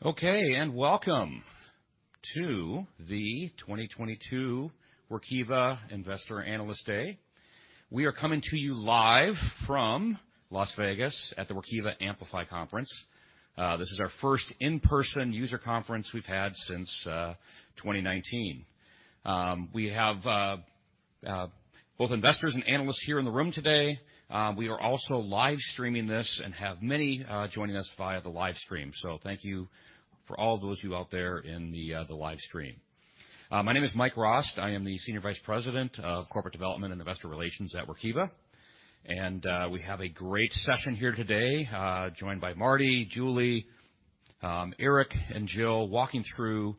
Okay, welcome to the 2022 Workiva Investor Analyst Day. We are coming to you live from Las Vegas at the Workiva Amplify Conference. This is our first in-person user conference we've had since 2019. We have both investors and analysts here in the room today. We are also live streaming this and have many joining us via the live stream. Thank you for all those of you out there in the live stream. My name is Mike Rost. I am the Senior Vice President of Corporate Development and Investor Relations at Workiva. We have a great session here today, joined by Marty, Julie, Erik, and Jill, walking through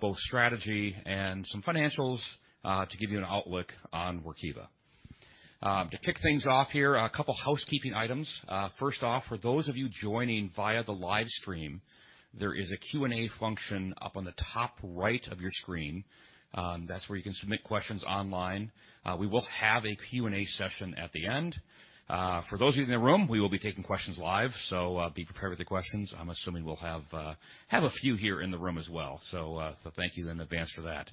both strategy and some financials to give you an outlook on Workiva. To kick things off here, a couple housekeeping items. First off, for those of you joining via the live stream, there is a Q&A function up on the top right of your screen. That's where you can submit questions online. We will have a Q&A session at the end. For those of you in the room, we will be taking questions live, so be prepared with your questions. I'm assuming we'll have a few here in the room as well. Thank you in advance for that.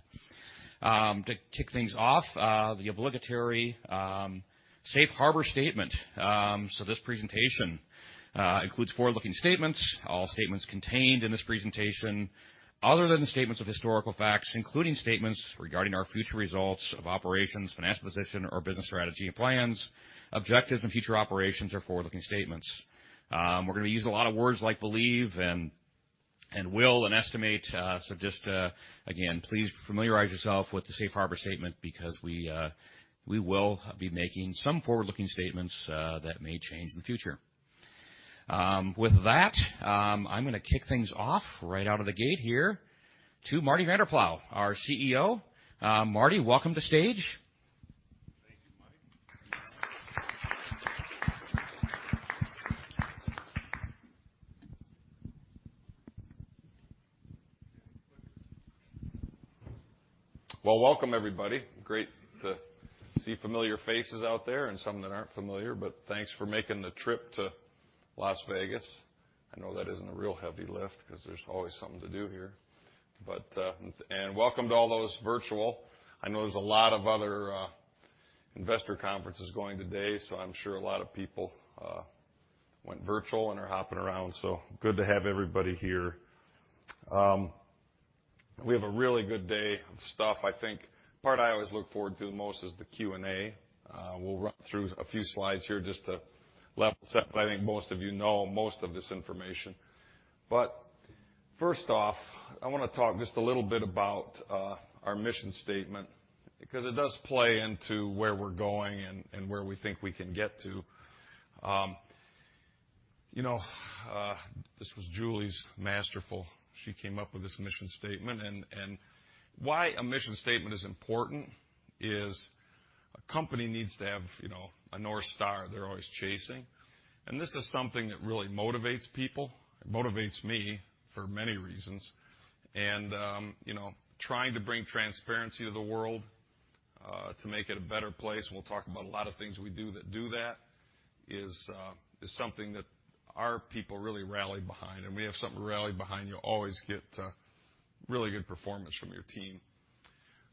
To kick things off, the obligatory safe harbor statement. This presentation includes forward-looking statements. All statements contained in this presentation, other than the statements of historical facts, including statements regarding our future results of operations, financial position, or business strategy and plans, objectives, and future operations are forward-looking statements. We're gonna be using a lot of words like believe and will and estimate. Just again, please familiarize yourself with the safe harbor statement because we will be making some forward-looking statements that may change in the future. With that, I'm gonna kick things off right out of the gate here to Marty Vanderploeg, our CEO. Marty, welcome to stage. Thank you, Mike. Well, welcome everybody. Great to see familiar faces out there and some that aren't familiar, but thanks for making the trip to Las Vegas. I know that isn't a real heavy lift because there's always something to do here. Welcome to all those virtual. I know there's a lot of other investor conferences going today, so I'm sure a lot of people went virtual and are hopping around. Good to have everybody here. We have a really good day of stuff. I think the part I always look forward to the most is the Q&A. We'll run through a few slides here just to level set, but I think most of you know most of this information. I wanna talk just a little bit about our mission statement because it does play into where we're going and where we think we can get to. You know, this was Julie's masterful. She came up with this mission statement, and why a mission statement is important is a company needs to have a North Star they're always chasing. This is something that really motivates people. It motivates me for many reasons. You know, trying to bring transparency to the world to make it a better place, we'll talk about a lot of things we do that do that, is something that our people really rally behind. When you have something to rally behind, you always get really good performance from your team.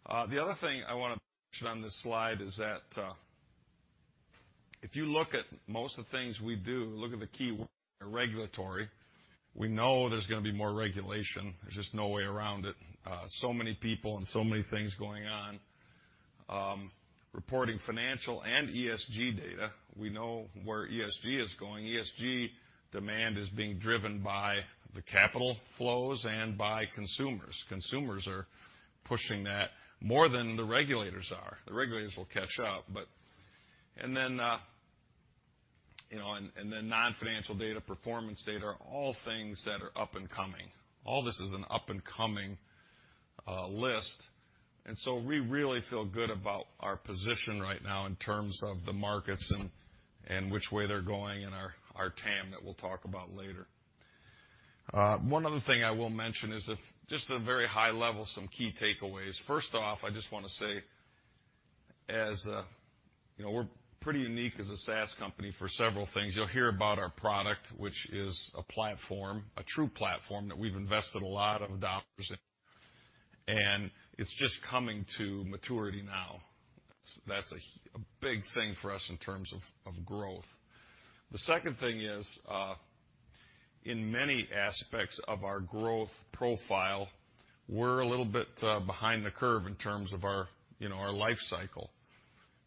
The other thing I wanna mention on this slide is that, if you look at most of the things we do, look at the key regulatory, we know there's gonna be more regulation. There's just no way around it. So many people and so many things going on. Reporting financial and ESG data. We know where ESG is going. ESG demand is being driven by the capital flows and by consumers. Consumers are pushing that more than the regulators are. The regulators will catch up, but. You know, non-financial data, performance data, are all things that are up and coming. All this is an up-and-coming list. We really feel good about our position right now in terms of the markets and which way they're going and our TAM that we'll talk about later. One other thing I will mention is, just a very high level, some key takeaways. First off, I just wanna say as a, you know, we're pretty unique as a SaaS company for several things. You'll hear about our product, which is a platform, a true platform that we've invested a lot of dollars in, and it's just coming to maturity now. That's a big thing for us in terms of growth. The second thing is, in many aspects of our growth profile, we're a little bit behind the curve in terms of our, you know, our life cycle.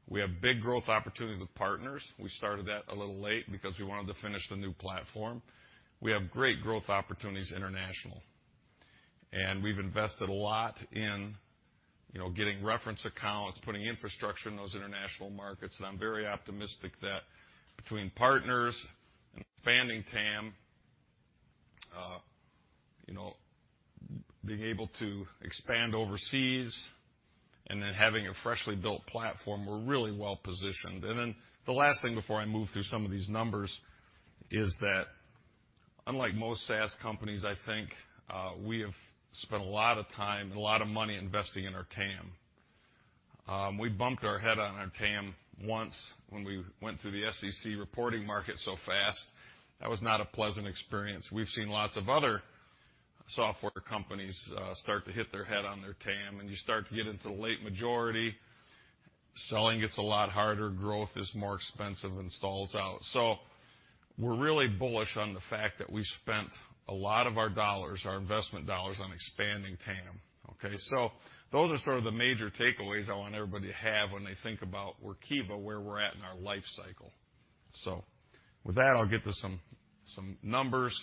We have big growth opportunity with partners. We started that a little late because we wanted to finish the new platform. We have great growth opportunities international, and we've invested a lot in, you know, getting reference accounts, putting infrastructure in those international markets. I'm very optimistic that between partners and expanding TAM, you know, being able to expand overseas and then having a freshly built platform, we're really well-positioned. The last thing before I move through some of these numbers is that unlike most SaaS companies, I think, we have spent a lot of time and a lot of money investing in our TAM. We bumped our head on our TAM once when we went through the SEC reporting market so fast. That was not a pleasant experience. We've seen lots of other software companies, start to hit their head on their TAM, and you start to get into the late majority. Selling gets a lot harder, growth is more expensive, and stalls out. We're really bullish on the fact that we spent a lot of our dollars, our investment dollars on expanding TAM. Okay. Those are sort of the major takeaways I want everybody to have when they think about Workiva, where we're at in our life cycle. With that, I'll get to some numbers.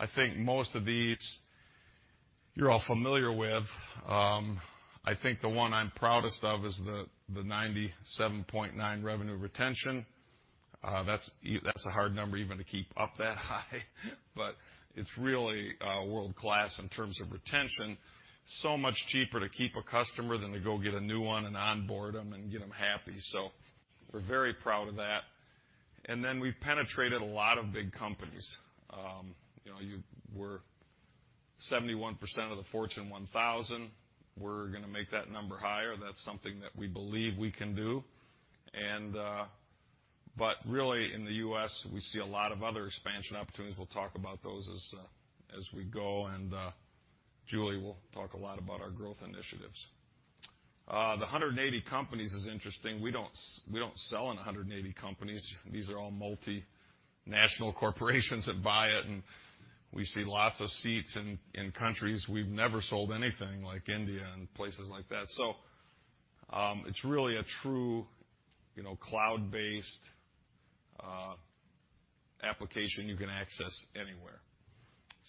I think most of these you're all familiar with. I think the one I'm proudest of is the 97.9 revenue retention. That's a hard number even to keep up that high, but it's really world-class in terms of retention. So much cheaper to keep a customer than to go get a new one and onboard them and get them happy. We're very proud of that. Then we've penetrated a lot of big companies. You know, we're 71% of the Fortune 1000. We're gonna make that number higher. That's something that we believe we can do. Really, in the U.S., we see a lot of other expansion opportunities. We'll talk about those as we go, and Julie will talk a lot about our growth initiatives. The 180 companies is interesting. We don't sell in 180 companies. These are all multinational corporations that buy it, and we see lots of seats in countries we've never sold anything like India and places like that. It's really a true, you know, cloud-based application you can access anywhere.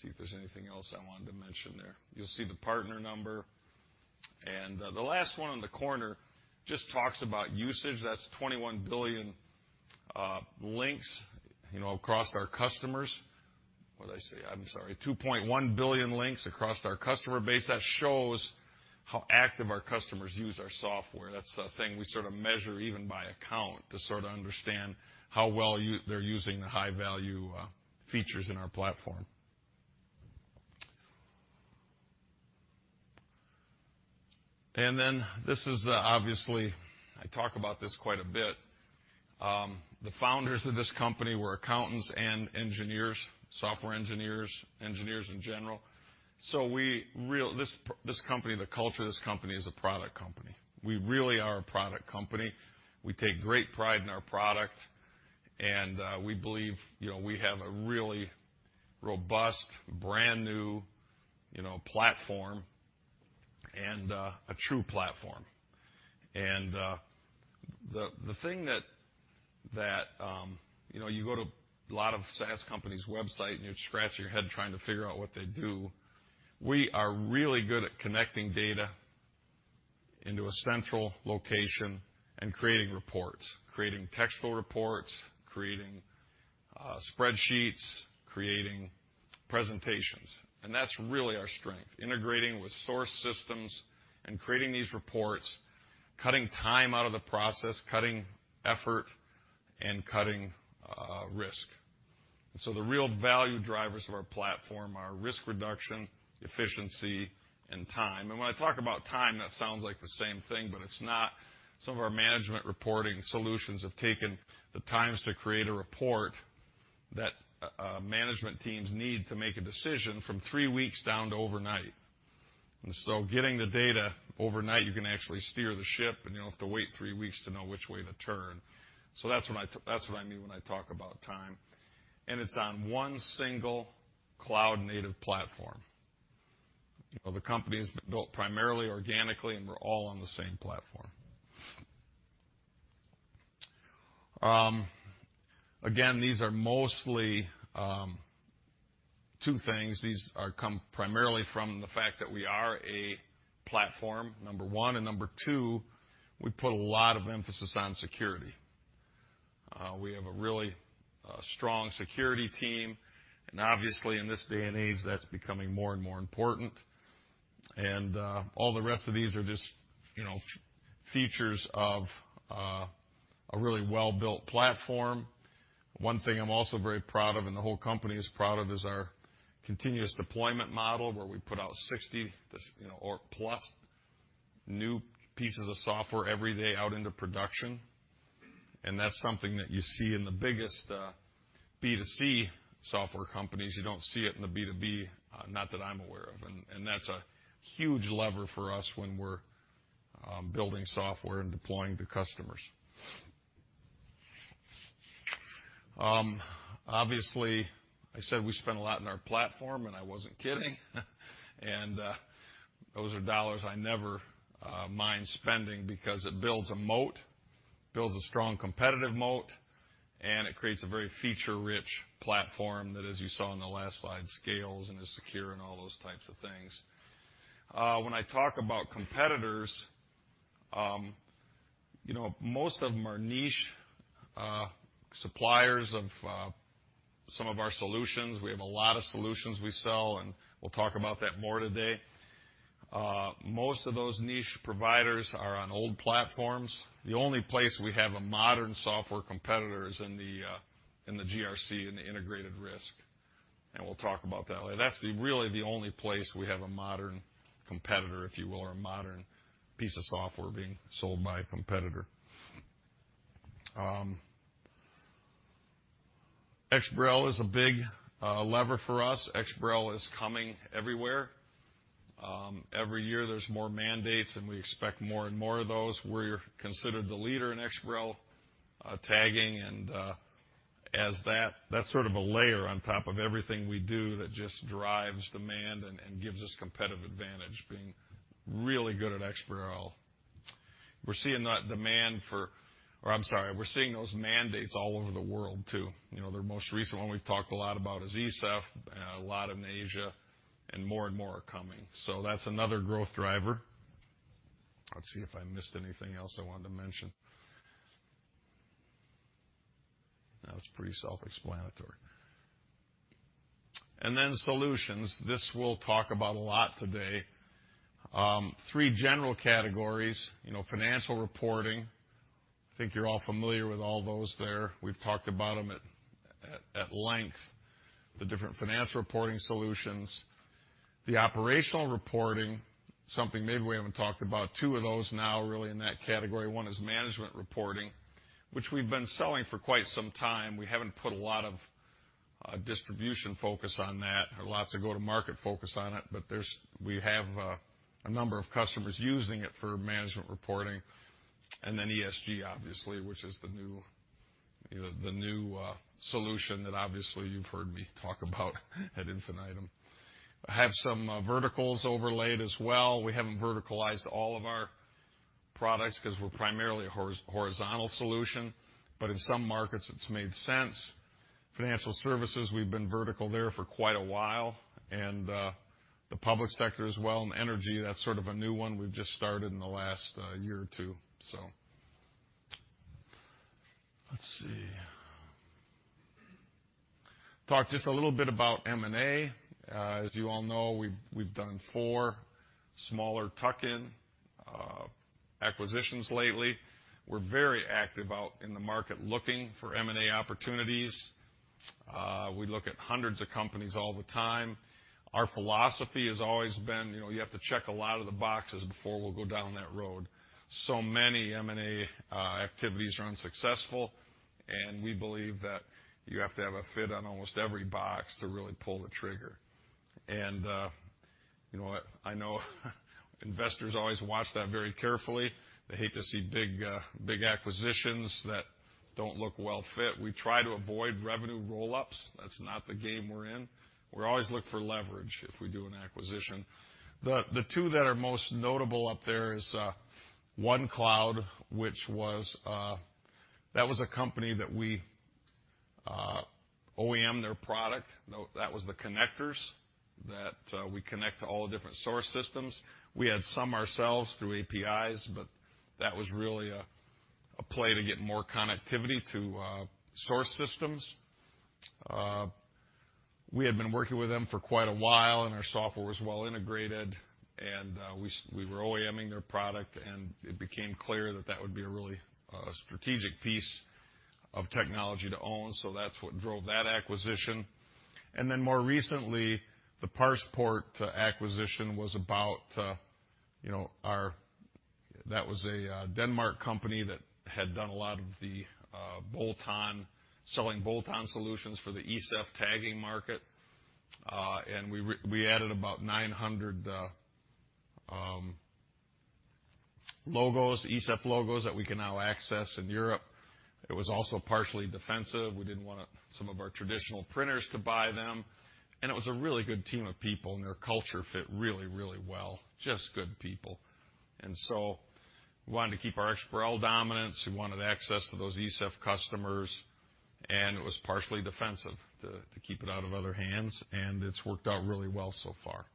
Let's see if there's anything else I wanted to mention there. You'll see the partner number. The last one in the corner just talks about usage. That's 21 billion links, you know, across our customers. What did I say? I'm sorry. 2.1 billion links across our customer base. That shows how active our customers use our software. That's a thing we sort of measure even by account to sort of understand how well they're using the high-value features in our platform. This is obviously I talk about this quite a bit. The founders of this company were accountants and engineers, software engineers in general. This company, the culture of this company is a product company. We really are a product company. We take great pride in our product, and we believe, you know, we have a really robust brand-new, you know, platform and a true platform. The thing that you know, you go to a lot of SaaS companies' website, and you scratch your head trying to figure out what they do. We are really good at connecting data into a central location and creating reports, creating textual reports, creating spreadsheets, creating presentations. That's really our strength, integrating with source systems and creating these reports, cutting time out of the process, cutting effort, and cutting risk. The real value drivers of our platform are risk reduction, efficiency, and time. When I talk about time, that sounds like the same thing, but it's not. Some of our management reporting solutions have taken the time to create a report that management teams need to make a decision from three weeks down to overnight. Getting the data overnight, you can actually steer the ship, and you don't have to wait three weeks to know which way to turn. That's what I mean when I talk about time. It's on one single cloud-native platform. You know, the company has been built primarily organically, and we're all on the same platform. Again, these are mostly two things. These come primarily from the fact that we are a platform, number one, and number two, we put a lot of emphasis on security. We have a really strong security team, and obviously, in this day and age, that's becoming more and more important. All the rest of these are just, you know, features of a really well-built platform. One thing I'm also very proud of and the whole company is proud of is our continuous deployment model, where we put out 60, you know, or plus new pieces of software every day out into production. That's something that you see in the biggest B2C software companies. You don't see it in the B2B, not that I'm aware of. That's a huge lever for us when we're building software and deploying to customers. Obviously, I said we spent a lot on our platform, and I wasn't kidding. Those are dollars I never mind spending because it builds a moat, a strong competitive moat, and it creates a very feature-rich platform that, as you saw in the last slide, scales and is secure and all those types of things. When I talk about competitors, you know, most of them are niche suppliers of some of our solutions. We have a lot of solutions we sell, and we'll talk about that more today. Most of those niche providers are on old platforms. The only place we have a modern software competitor is in the GRC, in the integrated risk. We'll talk about that later. That's really the only place we have a modern competitor, if you will, or a modern piece of software being sold by a competitor. XBRL is a big lever for us. XBRL is coming everywhere. Every year there's more mandates, and we expect more and more of those. We're considered the leader in XBRL tagging, and as that's sort of a layer on top of everything we do that just drives demand and gives us competitive advantage, being really good at XBRL. We're seeing those mandates all over the world too. You know, the most recent one we've talked a lot about is ESEF, a lot in Asia, and more and more are coming. That's another growth driver. Let's see if I missed anything else I wanted to mention. No, it's pretty self-explanatory. Solutions, this we'll talk about a lot today. Three general categories, you know, financial reporting. I think you're all familiar with all those there. We've talked about them at length, the different financial reporting solutions. The operational reporting, something maybe we haven't talked about, two of those now really in that category. One is management reporting, which we've been selling for quite some time. We haven't put a lot of distribution focus on that or lots of go-to-market focus on it, but we have a number of customers using it for management reporting. ESG, obviously, which is the new, you know, solution that obviously you've heard me talk about at Amplify. I have some verticals overlaid as well. We haven't verticalized all of our products because we're primarily a horizontal solution. But in some markets, it's made sense. Financial services, we've been vertical there for quite a while, and the public sector as well, and energy, that's sort of a new one we've just started in the last year or two. Let's see. Talk just a little bit about M&A. As you all know, we've done four smaller tuck-in acquisitions lately. We're very active out in the market looking for M&A opportunities. We look at hundreds of companies all the time. Our philosophy has always been, you know, you have to check a lot of the boxes before we'll go down that road. Many M&A activities are unsuccessful, and we believe that you have to have a fit on almost every box to really pull the trigger. You know what? I know investors always watch that very carefully. They hate to see big acquisitions that don't look well fit. We try to avoid revenue roll-ups. That's not the game we're in. We always look for leverage if we do an acquisition. The two that are most notable up there is OneCloud, which was a company that we OEM their product. That was the connectors that we connect to all the different source systems. We had some ourselves through APIs, but that was really a play to get more connectivity to source systems. We had been working with them for quite a while, and our software was well integrated, and we were OEM-ing their product, and it became clear that that would be a really strategic piece of technology to own. That's what drove that acquisition. More recently, the ParsePort acquisition was about that was a Denmark company that had done a lot of the bolt-on selling bolt-on solutions for the ESEF tagging market. We added about 900 logos, ESEF logos that we can now access in Europe. It was also partially defensive. We didn't want some of our traditional printers to buy them. It was a really good team of people, and their culture fit really, really well. Just good people. We wanted to keep our XBRL dominance. We wanted access to those ESEF customers, and it was partially defensive to keep it out of other hands, and it's worked out really well so far.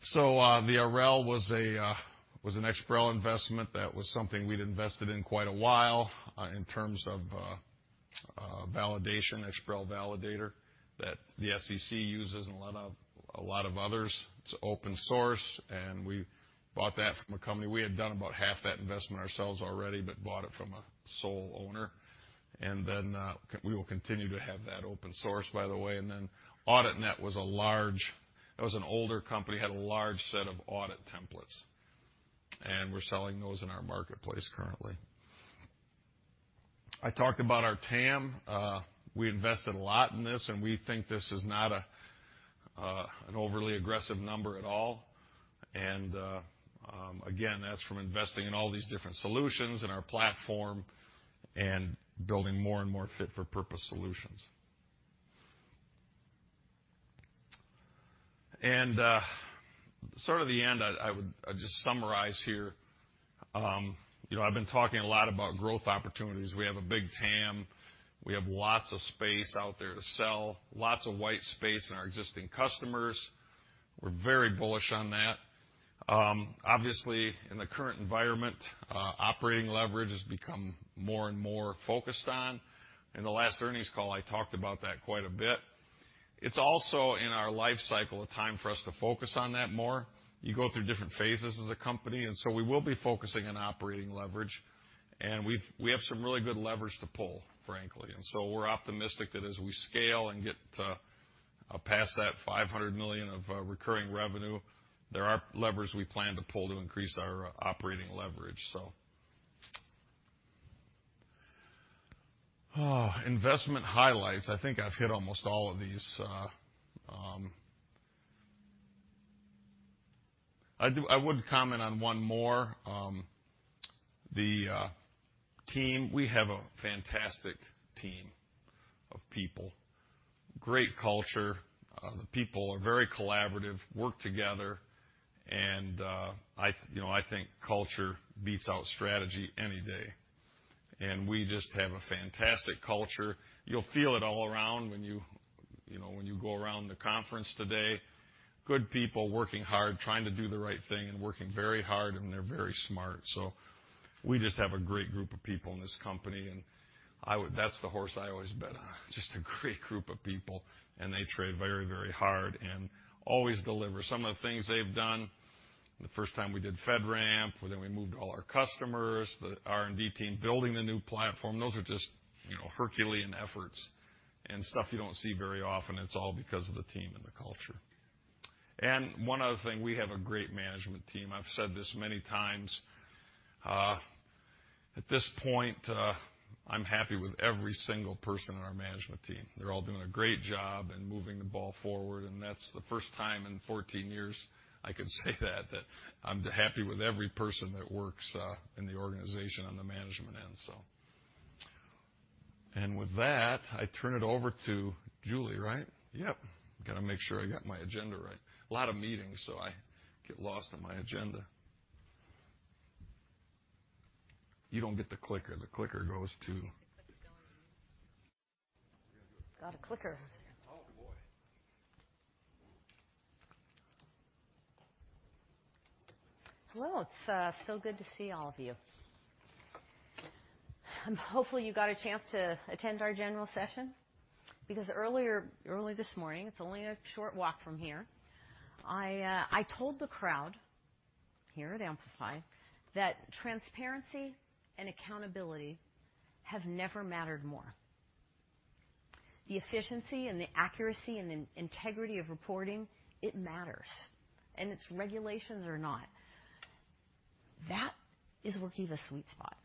The Arelle that was something we'd invested in quite a while in terms of validation, XBRL validator that the SEC uses and a lot of others. It's open source, and we bought that from a company. We had done about half that investment ourselves already, but bought it from a sole owner. We will continue to have that open source, by the way. AuditNet was an older company that had a large set of audit templates. We're selling those in our marketplace currently. I talked about our TAM. We invested a lot in this, and we think this is not an overly aggressive number at all. Again, that's from investing in all these different solutions and our platform and building more and more fit-for-purpose solutions. Sort of the end, I'll just summarize here. You know, I've been talking a lot about growth opportunities. We have a big TAM. We have lots of space out there to sell, lots of white space in our existing customers. We're very bullish on that. Obviously, in the current environment, operating leverage has become more and more focused on. In the last earnings call, I talked about that quite a bit. It's also, in our life cycle, a time for us to focus on that more. You go through different phases as a company, and we will be focusing on operating leverage. We have some really good leverage to pull, frankly. We're optimistic that as we scale and get past that $500 million of recurring revenue. There are levers we plan to pull to increase our operating leverage. Investment highlights. I think I've hit almost all of these. I would comment on one more. We have a fantastic team of people, great culture. The people are very collaborative, work together, and I, you know, I think culture beats out strategy any day. We just have a fantastic culture. You'll feel it all around when you know, when you go around the conference today. Good people working hard, trying to do the right thing and working very hard, and they're very smart. So we just have a great group of people in this company, and that's the horse I always bet on. Just a great group of people, and they trade very, very hard and always deliver. Some of the things they've done, the first time we did FedRAMP, then we moved all our customers, the R&D team building the new platform. Those are just, you know, herculean efforts and stuff you don't see very often. It's all because of the team and the culture. One other thing, we have a great management team. I've said this many times. At this point, I'm happy with every single person on our management team. They're all doing a great job and moving the ball forward, and that's the first time in 14 years I can say that I'm happy with every person that works in the organization on the management end so. With that, I turn it over to Julie, right? Yep. Gotta make sure I got my agenda right. A lot of meetings, so I get lost in my agenda. You don't get the clicker. The clicker goes to- You get the clicker going. Got a clicker. Oh, boy. Hello. It's so good to see all of you. Hopefully, you got a chance to attend our general session because early this morning, it's only a short walk from here, I told the crowd here at Amplify that transparency and accountability have never mattered more. The efficiency and the accuracy and the integrity of reporting, it matters, and it's regulations or not. That is Workiva's sweet spot,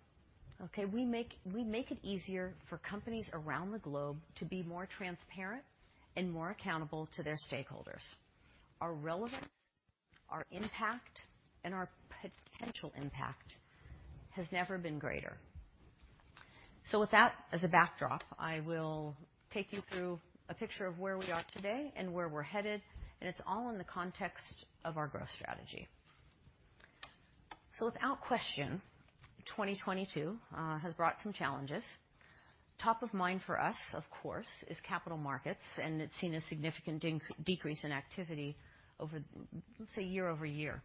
okay? We make it easier for companies around the globe to be more transparent and more accountable to their stakeholders. Our relevance, our impact, and our potential impact has never been greater. With that as a backdrop, I will take you through a picture of where we are today and where we're headed, and it's all in the context of our growth strategy. Without question, 2022 has brought some challenges. Top of mind for us, of course, is capital markets, and it's seen a significant decrease in activity over, let's say, year-over-year.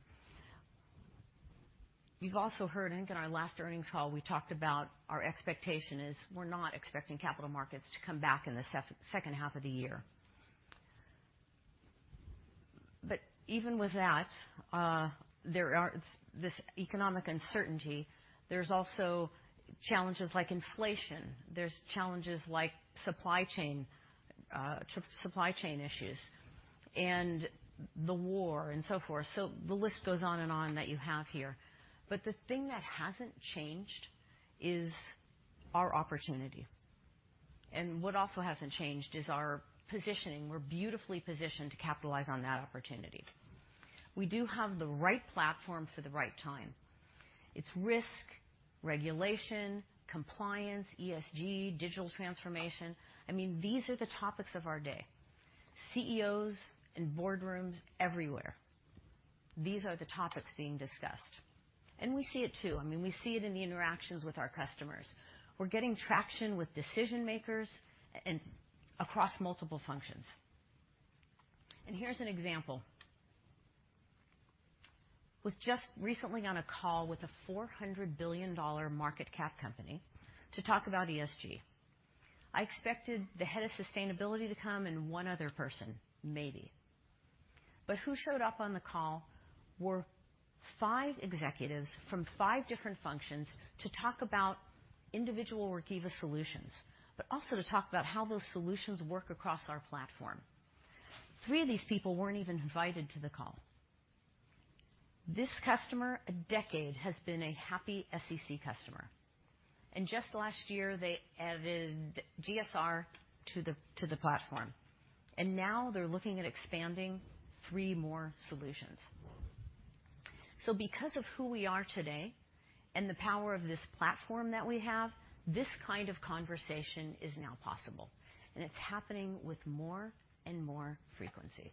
We've also heard, I think in our last earnings call, we talked about our expectation is we're not expecting capital markets to come back in the second half of the year. Even with that, there is this economic uncertainty, there's also challenges like inflation, there's challenges like supply chain, supply chain issues and the war and so forth. The list goes on and on that you have here. The thing that hasn't changed is our opportunity. What also hasn't changed is our positioning. We're beautifully positioned to capitalize on that opportunity. We do have the right platform for the right time. It's risk, regulation, compliance, ESG, digital transformation. I mean, these are the topics of our day. CEOs in boardrooms everywhere, these are the topics being discussed. We see it too. I mean, we see it in the interactions with our customers. We're getting traction with decision-makers and across multiple functions. Here's an example. I was just recently on a call with a $400 billion market cap company to talk about ESG. I expected the head of sustainability to come and one other person, maybe. But who showed up on the call were five executives from five different functions to talk about individual Workiva solutions, but also to talk about how those solutions work across our platform. Three of these people weren't even invited to the call. This customer for a decade has been a happy SEC customer. Just last year, they added GSR to the platform. Now they're looking at expanding three more solutions. Because of who we are today and the power of this platform that we have, this kind of conversation is now possible, and it's happening with more and more frequency.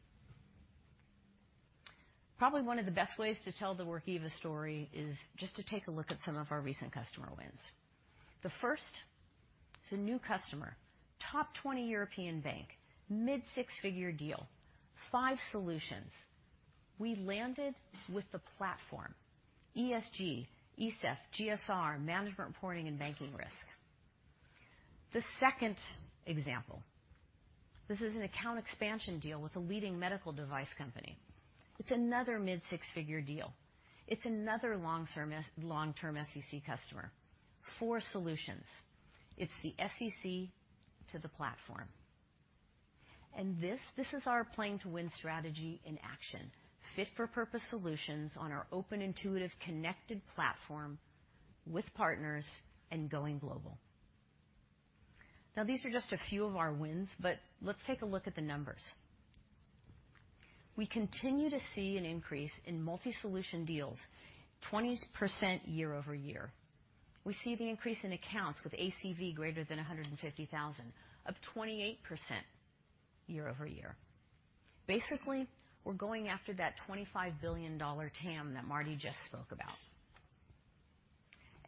Probably one of the best ways to tell the Workiva story is just to take a look at some of our recent customer wins. The first is a new customer, top 20 European bank, mid-six-figure deal, five solutions. We landed with the platform, ESG, ESEF, GSR, management reporting, and banking risk. The second example, this is an account expansion deal with a leading medical device company. It's another mid-six-figure deal. It's another long-term SEC customer. four solutions. It's the SEC to the platform. This is our playing to win strategy in action. Fit for purpose solutions on our open, intuitive, connected platform with partners and going global. Now, these are just a few of our wins, but let's take a look at the numbers. We continue to see an increase in multi-solution deals, 20% year-over-year. We see the increase in accounts with ACV greater than $150,000, of 28% year-over-year. Basically, we're going after that $25 billion TAM that Marty just spoke about.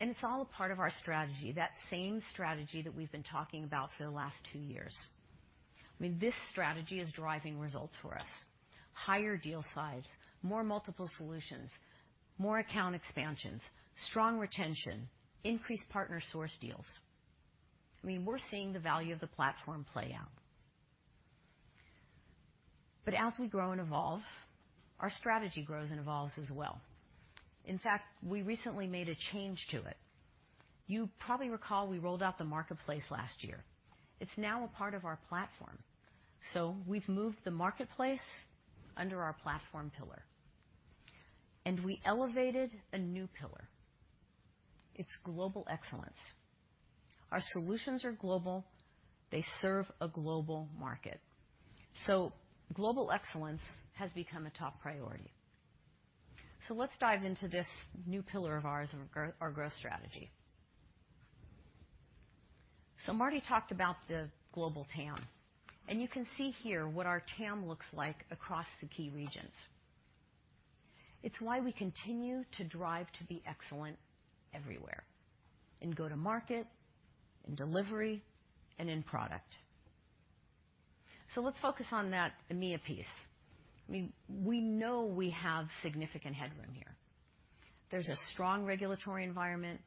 It's all a part of our strategy, that same strategy that we've been talking about for the last two years. I mean, this strategy is driving results for us. Higher deal size, more multiple solutions, more account expansions, strong retention, increased partner source deals. I mean, we're seeing the value of the platform play out. As we grow and evolve, our strategy grows and evolves as well. In fact, we recently made a change to it. You probably recall we rolled out the marketplace last year. It's now a part of our platform. We've moved the marketplace under our platform pillar. We elevated a new pillar. It's global excellence. Our solutions are global. They serve a global market. Global excellence has become a top priority. Let's dive into this new pillar of ours and our growth strategy. Marty talked about the global TAM, and you can see here what our TAM looks like across the key regions. It's why we continue to drive to be excellent everywhere, in go-to-market, in delivery, and in product. Let's focus on that EMEA piece. I mean, we know we have significant headroom here. There's a strong regulatory environment.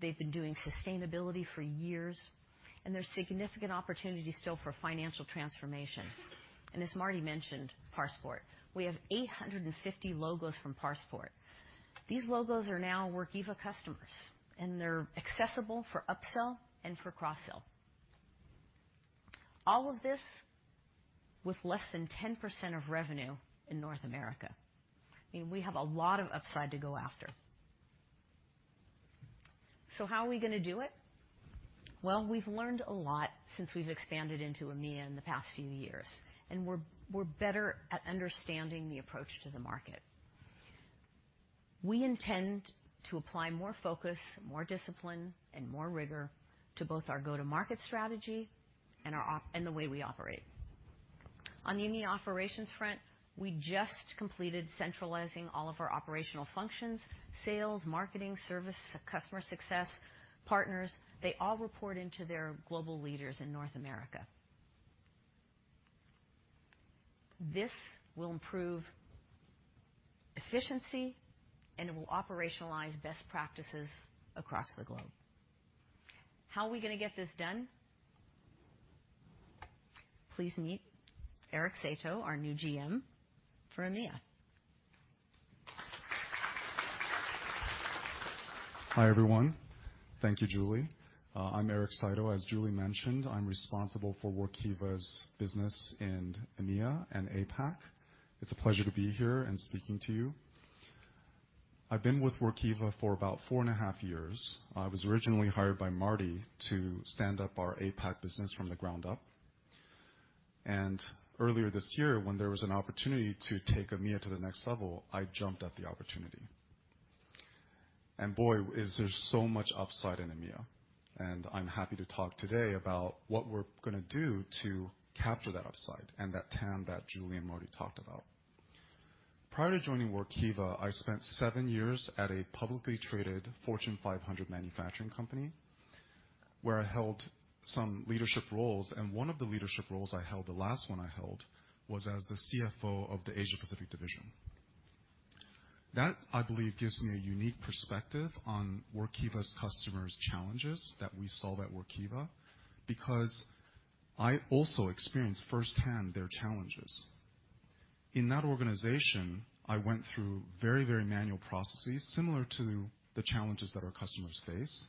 They've been doing sustainability for years, and there's significant opportunity still for financial transformation. As Marty mentioned, ParsePort. We have 850 logos from. These logos are now Workiva customers, and they're accessible for upsell and for cross-sell. All of this with less than 10% of revenue in North America. I mean, we have a lot of upside to go after. How are we gonna do it? Well, we've learned a lot since we've expanded into EMEA in the past few years, and we're better at understanding the approach to the market. We intend to apply more focus, more discipline, and more rigor to both our go-to-market strategy and the way we operate. On the EMEA operations front, we just completed centralizing all of our operational functions, sales, marketing, service, customer success, partners. They all report into their global leaders in North America. This will improve efficiency, and it will operationalize best practices across the globe. How are we gonna get this done? Please meet Erik Saito, our new GM for EMEA. Hi, everyone. Thank you, Julie. I'm Erik Saito. As Julie mentioned, I'm responsible for Workiva's business in EMEA and APAC. It's a pleasure to be here and speaking to you. I've been with Workiva for about four and a half years. I was originally hired by Marty to stand up our APAC business from the ground up. Earlier this year, when there was an opportunity to take EMEA to the next level, I jumped at the opportunity. Boy, is there so much upside in EMEA. I'm happy to talk today about what we're gonna do to capture that upside and that TAM that Julie and Marty talked about. Prior to joining Workiva, I spent seven years at a publicly traded Fortune 500 manufacturing company, where I held some leadership roles, and one of the leadership roles I held, the last one I held, was as the CFO of the Asia Pacific division. That, I believe, gives me a unique perspective on Workiva's customers' challenges that we solve at Workiva, because I also experienced firsthand their challenges. In that organization, I went through very, very manual processes similar to the challenges that our customers face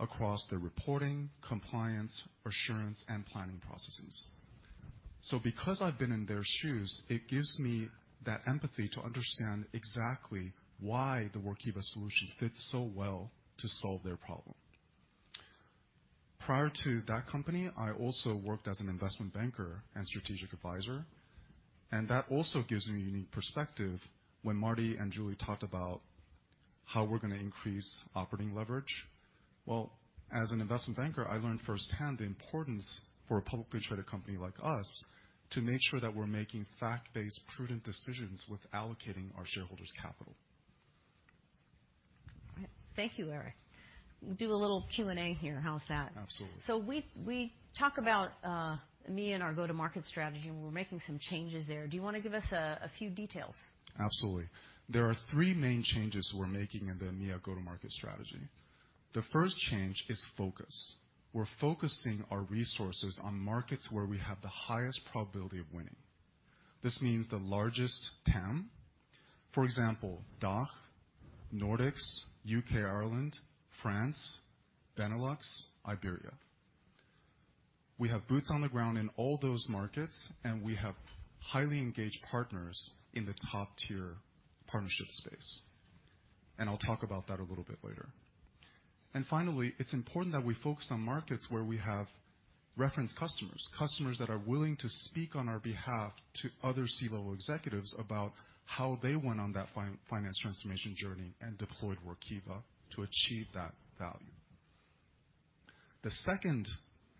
across their reporting, compliance, assurance, and planning processes. Because I've been in their shoes, it gives me that empathy to understand exactly why the Workiva solution fits so well to solve their problem. Prior to that company, I also worked as an investment banker and strategic advisor, and that also gives me a unique perspective when Marty and Julie talked about how we're gonna increase operating leverage. Well, as an investment banker, I learned firsthand the importance for a publicly traded company like us to make sure that we're making fact-based, prudent decisions with allocating our shareholders' capital. All right. Thank you, Erik. We'll do a little Q&A here. How's that? Absolutely. We talk about EMEA and our go-to-market strategy, and we're making some changes there. Do you wanna give us a few details? Absolutely. There are three main changes we're making in the EMEA go-to-market strategy. The first change is focus. We're focusing our resources on markets where we have the highest probability of winning. This means the largest TAM. For example, DACH, Nordics, U.K., Ireland, France, Benelux, Iberia. We have boots on the ground in all those markets, and we have highly engaged partners in the top-tier partnership space. I'll talk about that a little bit later. Finally, it's important that we focus on markets where we have reference customers that are willing to speak on our behalf to other C-level executives about how they went on that finance transformation journey and deployed Workiva to achieve that value. The second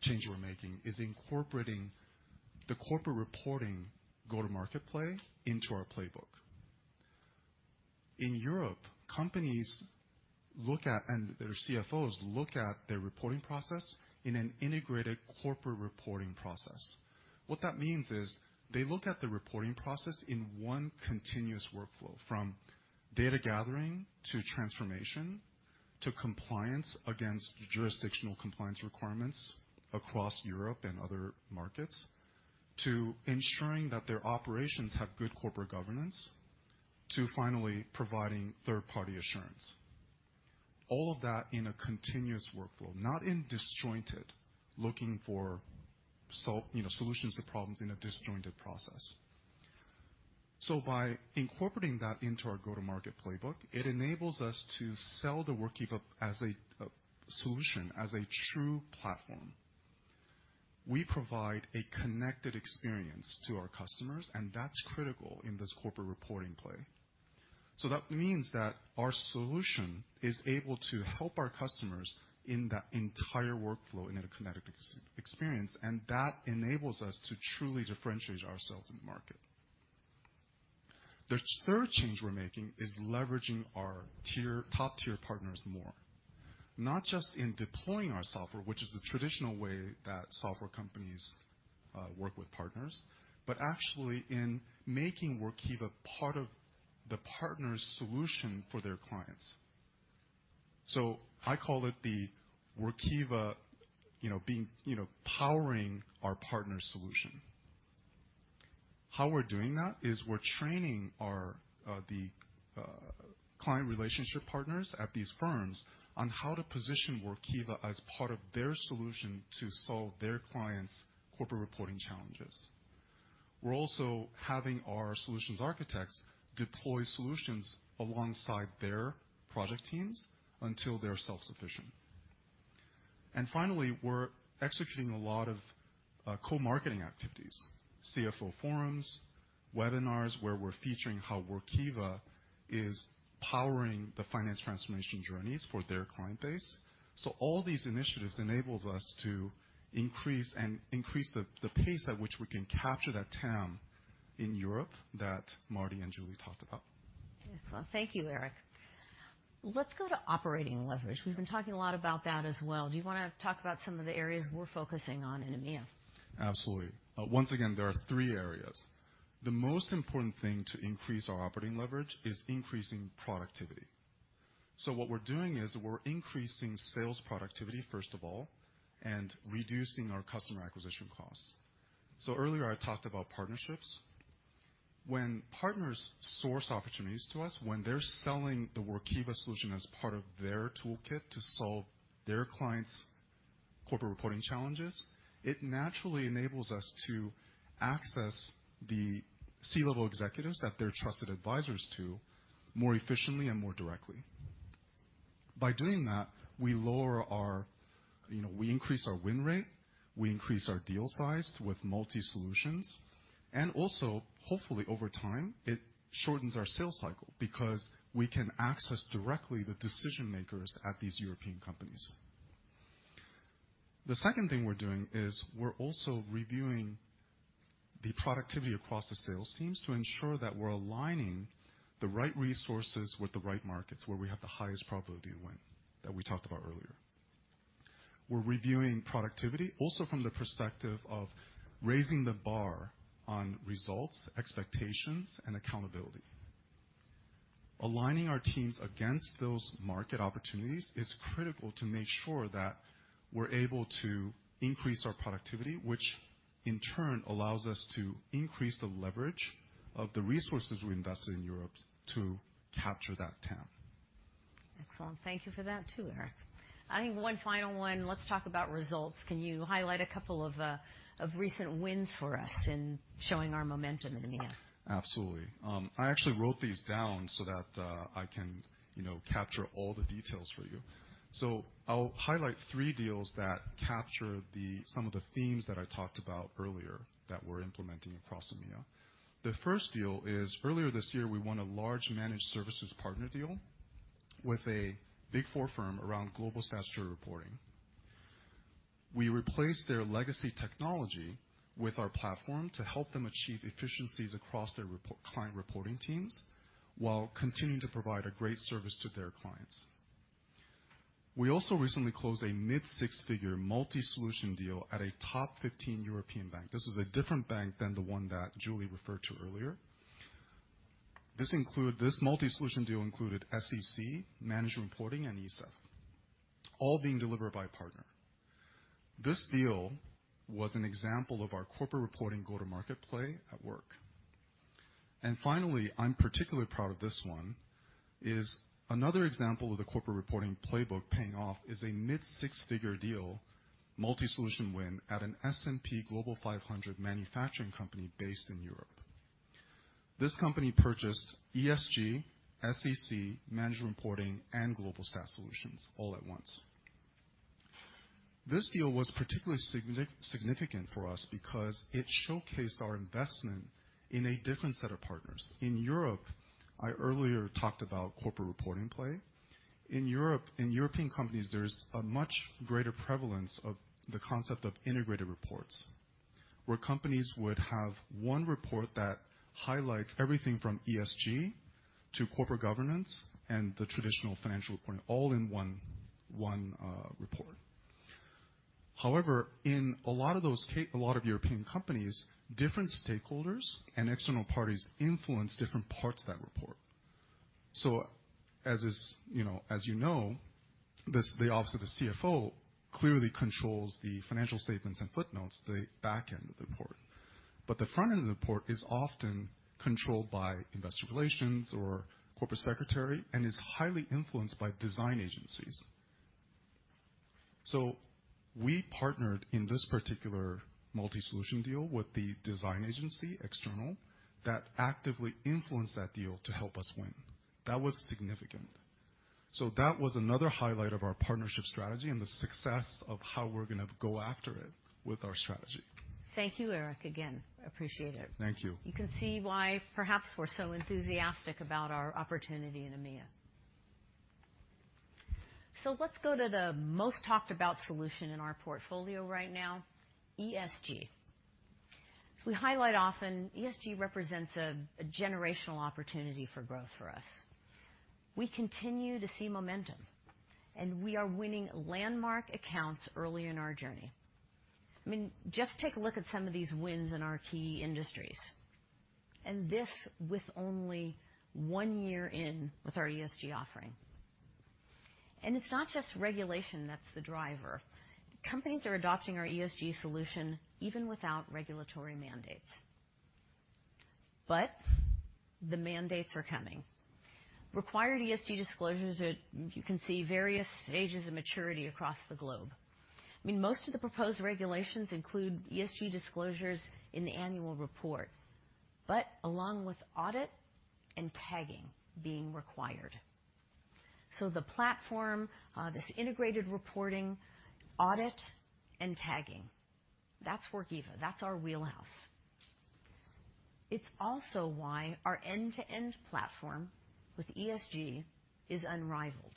change we're making is incorporating the corporate reporting go-to-market play into our playbook. In Europe, companies look at, and their CFOs look at their reporting process in an integrated corporate reporting process. What that means is they look at the reporting process in one continuous workflow, from data gathering to transformation, to compliance against jurisdictional compliance requirements across Europe and other markets, to ensuring that their operations have good corporate governance, to finally providing third-party assurance. All of that in a continuous workflow, not in disjointed, You know, solutions to problems in a disjointed process. By incorporating that into our go-to-market playbook, it enables us to sell the Workiva as a solution, as a true platform. We provide a connected experience to our customers, and that's critical in this corporate reporting play. That means that our solution is able to help our customers in that entire workflow in a connected experience, and that enables us to truly differentiate ourselves in the market. The third change we're making is leveraging our top-tier partners more, not just in deploying our software, which is the traditional way that software companies work with partners, but actually in making Workiva part of the partner's solution for their clients. I call it Workiva, you know, powering our partner solution. How we're doing that is we're training our client relationship partners at these firms on how to position Workiva as part of their solution to solve their clients' corporate reporting challenges. We're also having our solutions architects deploy solutions alongside their project teams until they're self-sufficient. Finally, we're executing a lot of co-marketing activities, CFO forums, webinars, where we're featuring how Workiva is powering the finance transformation journeys for their client base. All these initiatives enables us to increase the pace at which we can capture that TAM in Europe that Marty and Julie talked about. Yes. Well, thank you, Erik. Let's go to operating leverage. We've been talking a lot about that as well. Do you wanna talk about some of the areas we're focusing on in EMEA? Absolutely. Once again, there are three areas. The most important thing to increase our operating leverage is increasing productivity. What we're doing is we're increasing sales productivity, first of all, and reducing our customer acquisition costs. Earlier, I talked about partnerships. When partners source opportunities to us, when they're selling the Workiva solution as part of their toolkit to solve their clients' corporate reporting challenges, it naturally enables us to access the C-level executives that they're trusted advisors to more efficiently and more directly. By doing that, we lower our, you know, we increase our win rate, we increase our deal size with multi-solutions, and also, hopefully, over time, it shortens our sales cycle because we can access directly the decision makers at these European companies. The second thing we're doing is we're also reviewing the productivity across the sales teams to ensure that we're aligning the right resources with the right markets where we have the highest probability to win that we talked about earlier. We're reviewing productivity also from the perspective of raising the bar on results, expectations, and accountability. Aligning our teams against those market opportunities is critical to make sure that we're able to increase our productivity, which in turn allows us to increase the leverage of the resources we invested in Europe to capture that TAM. Excellent. Thank you for that too, Erik. I think one final one. Let's talk about results. Can you highlight a couple of recent wins for us in showing our momentum in EMEA? Absolutely. I actually wrote these down so that I can, you know, capture all the details for you. I'll highlight three deals that capture some of the themes that I talked about earlier that we're implementing across EMEA. The first deal is earlier this year, we won a large managed services partner deal with a Big Four firm around global statutory reporting. We replaced their legacy technology with our platform to help them achieve efficiencies across their client reporting teams while continuing to provide a great service to their clients. We also recently closed a mid-six-figure multi-solution deal at a top 15 European bank. This is a different bank than the one that Julie referred to earlier. This multi-solution deal included SEC, management reporting, and ESEF, all being delivered by a partner. This deal was an example of our corporate reporting go-to-market play at work. Finally, I'm particularly proud of this one, is another example of the corporate reporting playbook paying off is a mid-six-figure deal multi-solution win at an S&P 500 manufacturing company based in Europe. This company purchased ESG, SEC, management reporting, and global statutory reporting solutions all at once. This deal was particularly significant for us because it showcased our investment in a different set of partners. In Europe, I earlier talked about corporate reporting play. In European companies, there's a much greater prevalence of the concept of integrated reports, where companies would have one report that highlights everything from ESG to corporate governance and the traditional financial reporting all in one report. However, in a lot of those, a lot of European companies, different stakeholders and external parties influence different parts of that report. As you know, this, the office of the CFO clearly controls the financial statements and footnotes, the back end of the report. The front end of the report is often controlled by investor relations or corporate secretary and is highly influenced by design agencies. We partnered in this particular multi-solution deal with the design agency, external, that actively influenced that deal to help us win. That was significant. That was another highlight of our partnership strategy and the success of how we're gonna go after it with our strategy. Thank you, Erik. Again, appreciate it. Thank you. You can see why perhaps we're so enthusiastic about our opportunity in EMEA. Let's go to the most talked about solution in our portfolio right now, ESG. As we highlight often, ESG represents a generational opportunity for growth for us. We continue to see momentum, and we are winning landmark accounts early in our journey. I mean, just take a look at some of these wins in our key industries, and this with only one year in with our ESG offering. It's not just regulation that's the driver. Companies are adopting our ESG solution even without regulatory mandates. The mandates are coming. Required ESG disclosures that you can see various stages of maturity across the globe. I mean, most of the proposed regulations include ESG disclosures in the annual report, but along with audit and tagging being required. The platform, this integrated reporting, audit and tagging, that's Workiva. That's our wheelhouse. It's also why our end-to-end platform with ESG is unrivaled.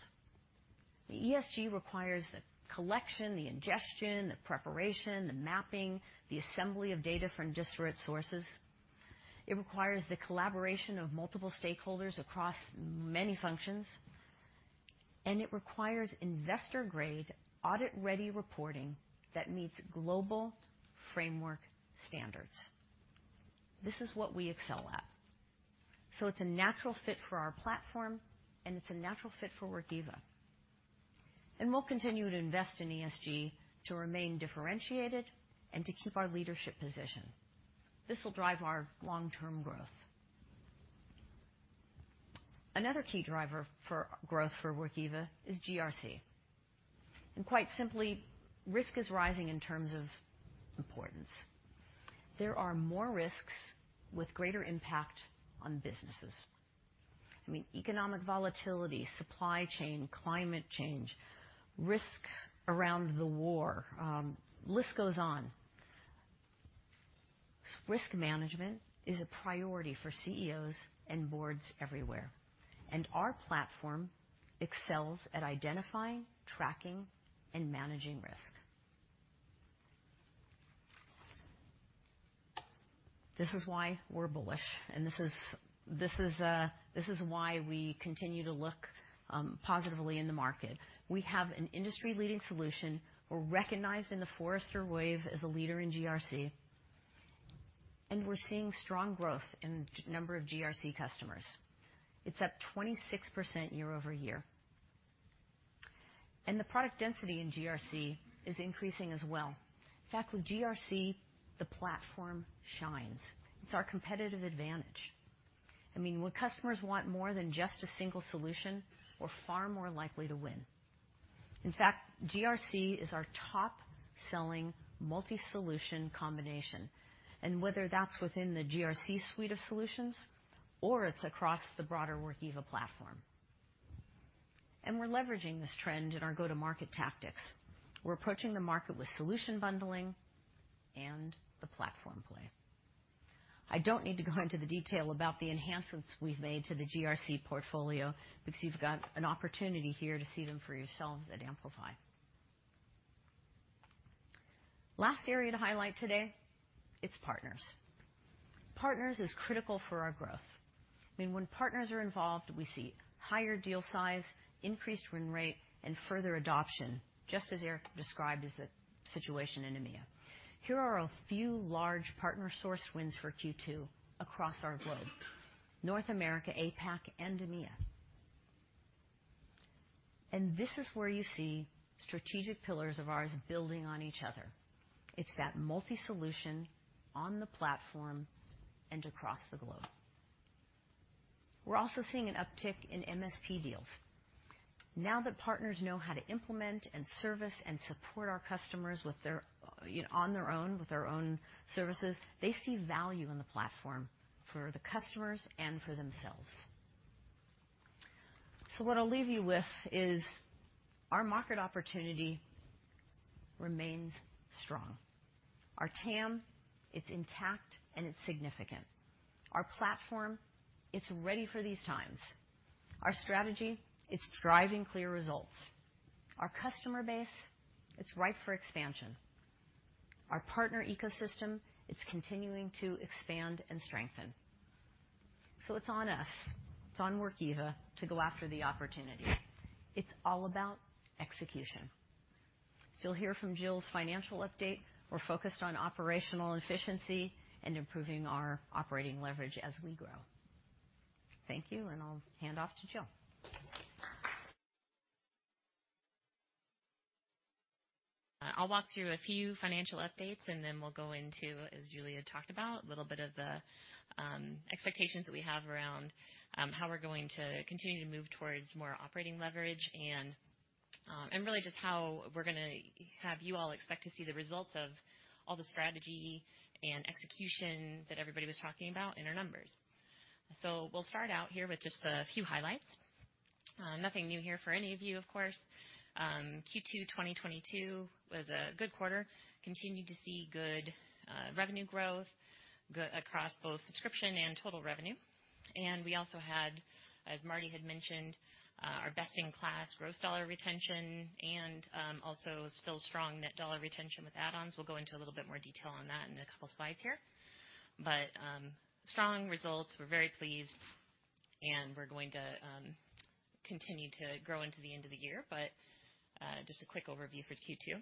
ESG requires the collection, the ingestion, the preparation, the mapping, the assembly of data from disparate sources. It requires the collaboration of multiple stakeholders across many functions, and it requires investor-grade, audit-ready reporting that meets global framework standards. This is what we excel at. It's a natural fit for our platform, and it's a natural fit for Workiva. We'll continue to invest in ESG to remain differentiated and to keep our leadership position. This will drive our long-term growth. Another key driver for growth for Workiva is GRC. Quite simply, risk is rising in terms of importance. There are more risks with greater impact on businesses. I mean, economic volatility, supply chain, climate change, risk around the war, list goes on. Risk management is a priority for CEOs and boards everywhere, and our platform excels at identifying, tracking, and managing risk. This is why we're bullish, and this is why we continue to look positively in the market. We have an industry-leading solution. We're recognized in the Forrester Wave as a leader in GRC, and we're seeing strong growth in number of GRC customers. It's up 26% year-over-year. The product density in GRC is increasing as well. In fact, with GRC, the platform shines. It's our competitive advantage. I mean, when customers want more than just a single solution, we're far more likely to win. In fact, GRC is our top-selling multi-solution combination, and whether that's within the GRC suite of solutions or it's across the broader Workiva platform. We're leveraging this trend in our go-to-market tactics. We're approaching the market with solution bundling and the platform play. I don't need to go into the detail about the enhancements we've made to the GRC portfolio because you've got an opportunity here to see them for yourselves at Amplify. Last area to highlight today, it's partners. Partners is critical for our growth. I mean, when partners are involved, we see higher deal size, increased win rate, and further adoption, just as Erik described as the situation in EMEA. Here are a few large partner source wins for Q2 across our globe, North America, APAC, and EMEA. This is where you see strategic pillars of ours building on each other. It's that multi-solution on the platform and across the globe. We're also seeing an uptick in MSP deals. Now that partners know how to implement and service and support our customers with their on their own, with their own services, they see value in the platform for the customers and for themselves. What I'll leave you with is our market opportunity remains strong. Our TAM, it's intact, and it's significant. Our platform, it's ready for these times. Our strategy, it's driving clear results. Our customer base, it's ripe for expansion. Our partner ecosystem, it's continuing to expand and strengthen. It's on us. It's on Workiva to go after the opportunity. It's all about execution. You'll hear from Jill's financial update. We're focused on operational efficiency and improving our operating leverage as we grow. Thank you, and I'll hand off to Jill. I'll walk through a few financial updates, and then we'll go into, as Julie had talked about, a little bit of the expectations that we have around how we're going to continue to move towards more operating leverage and really just how we're gonna have you all expect to see the results of all the strategy and execution that everybody was talking about in our numbers. We'll start out here with just a few highlights. Nothing new here for any of you, of course. Q2 2022 was a good quarter. Continued to see good revenue growth across both subscription and total revenue. We also had, as Marty had mentioned, our best-in-class gross dollar retention and also still strong net dollar retention with add-ons. We'll go into a little bit more detail on that in a couple slides here. Strong results. We're very pleased, and we're going to continue to grow into the end of the year. Just a quick overview for Q2.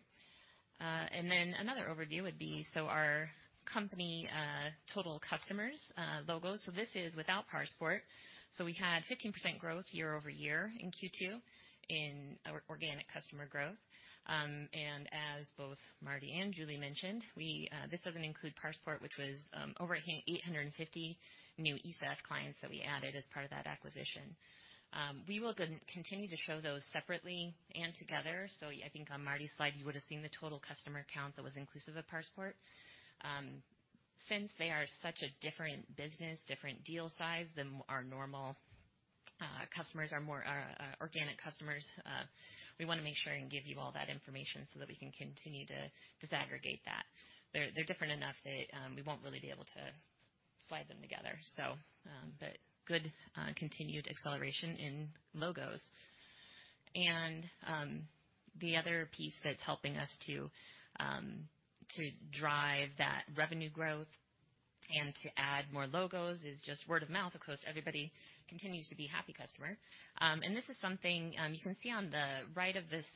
Then another overview would be our company total customers logos. This is without ParsePort. We had 15% growth year-over-year in Q2 in our organic customer growth. As both Marty and Julie mentioned, we this doesn't include ParsePort, which was over 850 new ESEF clients that we added as part of that acquisition. We will continue to show those separately and together. I think on Marty's slide, you would've seen the total customer count that was inclusive of ParsePort. Since they are such a different business, different deal size than our normal customers, our more organic customers, we wanna make sure and give you all that information so that we can continue to disaggregate that. They're different enough that we won't really be able to slide them together. Good continued acceleration in logos. The other piece that's helping us to drive that revenue growth and to add more logos is just word of mouth. Of course, everybody continues to be happy customer. This is something you can see on the right of this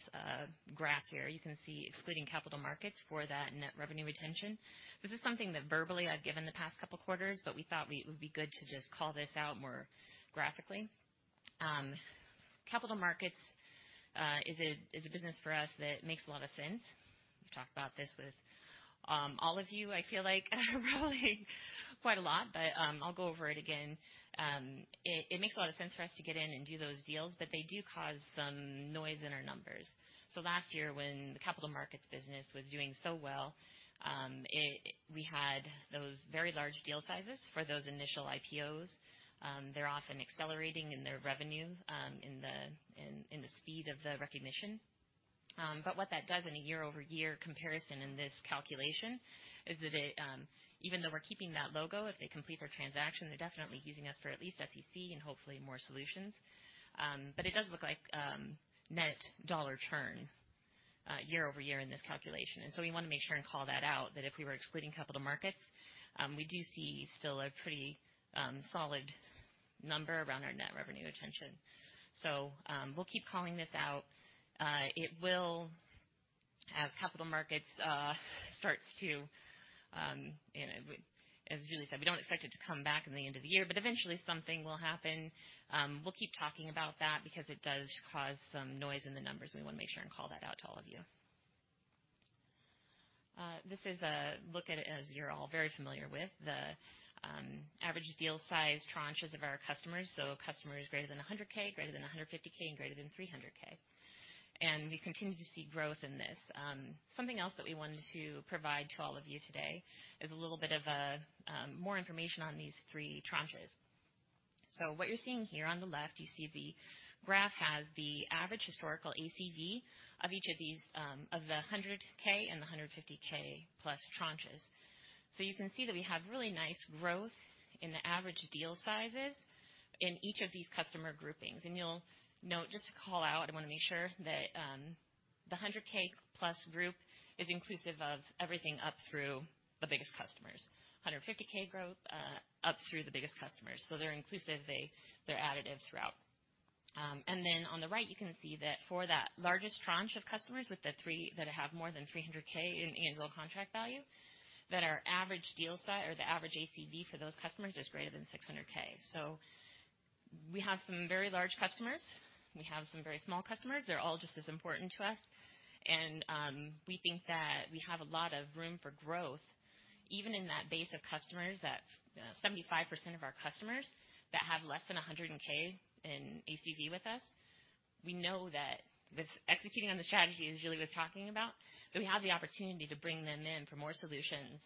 graph here. You can see excluding capital markets for that net revenue retention. This is something that verbally I've given the past couple quarters, but we thought it would be good to just call this out more graphically. Capital markets is a business for us that makes a lot of sense. We've talked about this with all of you, I feel like probably quite a lot, but I'll go over it again. It makes a lot of sense for us to get in and do those deals, but they do cause some noise in our numbers. Last year, when the capital markets business was doing so well, we had those very large deal sizes for those initial IPOs. They're often accelerating in their revenue in the speed of the recognition. What that does in a year-over-year comparison in this calculation is that it, even though we're keeping that logo, if they complete their transaction, they're definitely using us for at least SEC and hopefully more solutions. It does look like net dollar churn year-over-year in this calculation. We wanna make sure and call that out, that if we were excluding capital markets, we do see still a pretty solid number around our net revenue retention. We'll keep calling this out. It will, as capital markets starts to, you know, as Julie said, we don't expect it to come back in the end of the year, but eventually something will happen. We'll keep talking about that because it does cause some noise in the numbers, and we wanna make sure and call that out to all of you. This is a look at it as you're all very familiar with, the average deal size tranches of our customers. A customer is greater than $100,000, greater than $150,000, and greater than $300,000. We continue to see growth in this. Something else that we wanted to provide to all of you today is a little bit of a more information on these three tranches. What you're seeing here on the left, you see the graph has the average historical ACV of each of these, of the $100,000 and the $150,000 plus tranches. You can see that we have really nice growth in the average deal sizes in each of these customer groupings. You'll note, just to call out, I wanna make sure that the $100,000-plus group is inclusive of everything up through the biggest customers. $150,000 growth up through the biggest customers. They're inclusive. They're additive throughout. On the right, you can see that for that largest tranche of customers with the three that have more than $300,000 in annual contract value, that our average or the average ACV for those customers is greater than $600,000. We have some very large customers, we have some very small customers. They're all just as important to us. We think that we have a lot of room for growth, even in that base of customers that, you know, 75% of our customers that have less than $100,000 in ACV with us. We know that with executing on the strategy, as Julie was talking about, that we have the opportunity to bring them in for more solutions,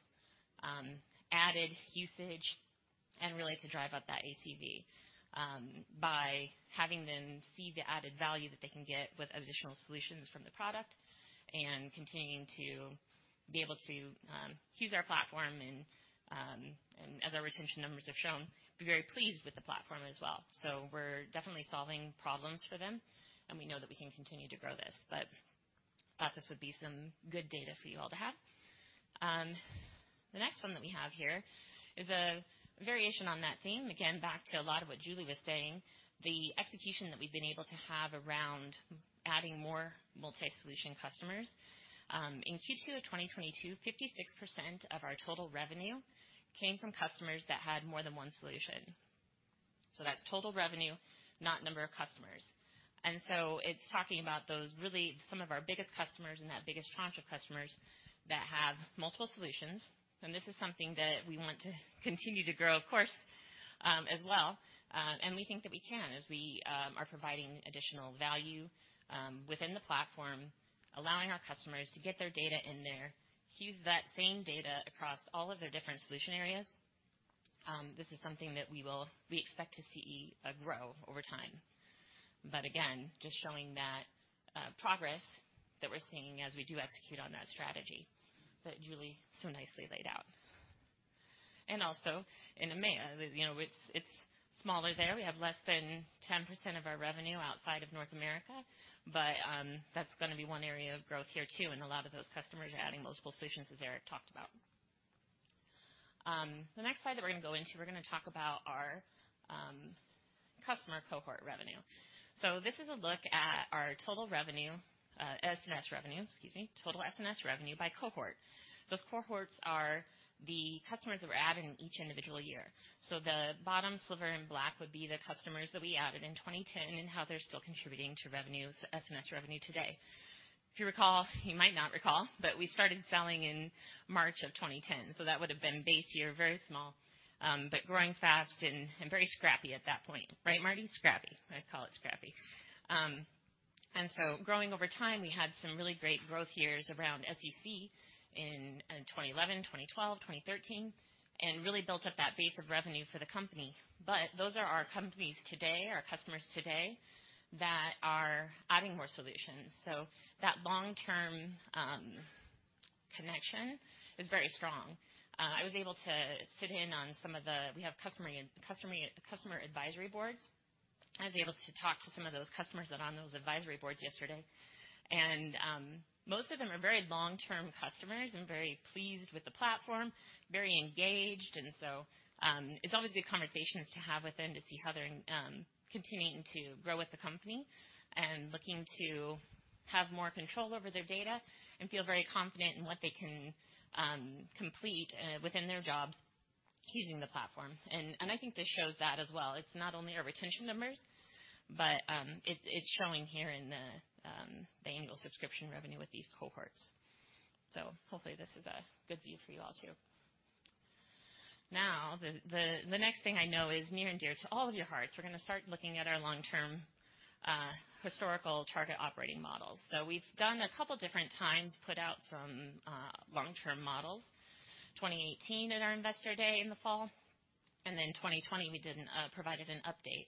added usage, and really to drive up that ACV, by having them see the added value that they can get with additional solutions from the product and continuing to be able to use our platform and as our retention numbers have shown, be very pleased with the platform as well. We're definitely solving problems for them, and we know that we can continue to grow this. Thought this would be some good data for you all to have. The next one that we have here is a variation on that theme. Again, back to a lot of what Julie was saying, the execution that we've been able to have around adding more multi-solution customers. In Q2 of 2022, 56% of our total revenue came from customers that had more than one solution. That's total revenue, not number of customers. It's talking about those really some of our biggest customers and that biggest tranche of customers that have multiple solutions. This is something that we want to continue to grow, of course, as well. We think that we can as we are providing additional value within the platform, allowing our customers to get their data in there, use that same data across all of their different solution areas. This is something that we expect to see grow over time. Again, just showing that progress that we're seeing as we do execute on that strategy that Julie so nicely laid out. Also in EMEA, you know, it's smaller there. We have less than 10% of our revenue outside of North America, but that's gonna be one area of growth here too, and a lot of those customers are adding multiple solutions as Erik talked about. The next slide that we're gonna go into, we're gonna talk about our customer cohort revenue. This is a look at our total revenue, SNS revenue, excuse me, total SNS revenue by cohort. Those cohorts are the customers that we're adding each individual year. The bottom sliver in black would be the customers that we added in 2010 and how they're still contributing to revenues, SNS revenue today. If you recall, you might not recall, but we started selling in March of 2010, so that would've been base year, very small, but growing fast and very scrappy at that point. Right, Marty? Scrappy. I call it scrappy. Growing over time, we had some really great growth years around SEC in 2011, 2012, 2013, and really built up that base of revenue for the company. Those are our companies today, our customers today that are adding more solutions. That long-term connection is very strong. I was able to sit in on some of the customer advisory boards. I was able to talk to some of those customers that are on those advisory boards yesterday. Most of them are very long-term customers and very pleased with the platform, very engaged. It's always good conversations to have with them to see how they're continuing to grow with the company and looking to have more control over their data and feel very confident in what they can complete within their jobs using the platform. I think this shows that as well. It's not only our retention numbers, but it's showing here in the annual subscription revenue with these cohorts. Hopefully, this is a good view for you all too. Now, the next thing I know is near and dear to all of your hearts. We're gonna start looking at our long-term historical target operating models. We've done a couple different times put out some long-term models, 2018 at our Investor Day in the fall, and then 2020, we didn't provide an update.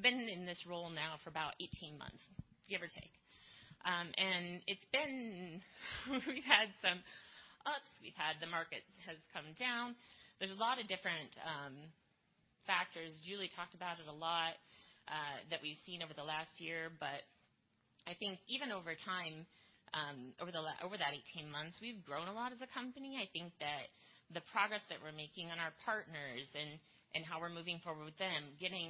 Been in this role now for about 18 months, give or take. It's been we've had some ups, the market has come down. There's a lot of different factors. Julie talked about it a lot that we've seen over the last year. I think even over time, over that 18 months, we've grown a lot as a company. I think that the progress that we're making on our partners and how we're moving forward with them, getting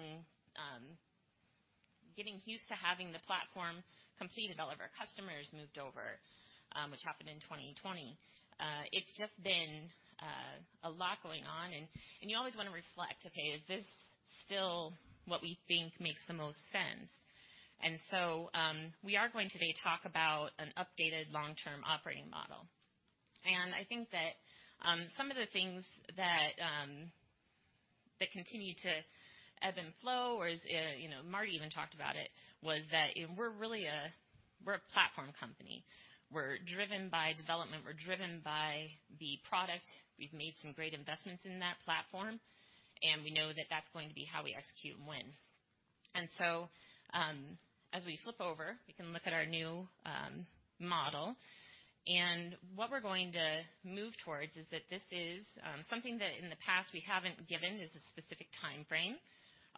used to having the platform complete and all of our customers moved over, which happened in 2020. It's just been a lot going on and you always wanna reflect, okay, is this still what we think makes the most sense? We are going to talk today about an updated long-term operating model. I think that some of the things that continue to ebb and flow, or as you know, Marty even talked about it, was that we're really a platform company. We're driven by development. We're driven by the product. We've made some great investments in that platform, and we know that that's going to be how we execute and win. As we flip over, we can look at our new model. What we're going to move towards is that this is something that in the past we haven't given is a specific timeframe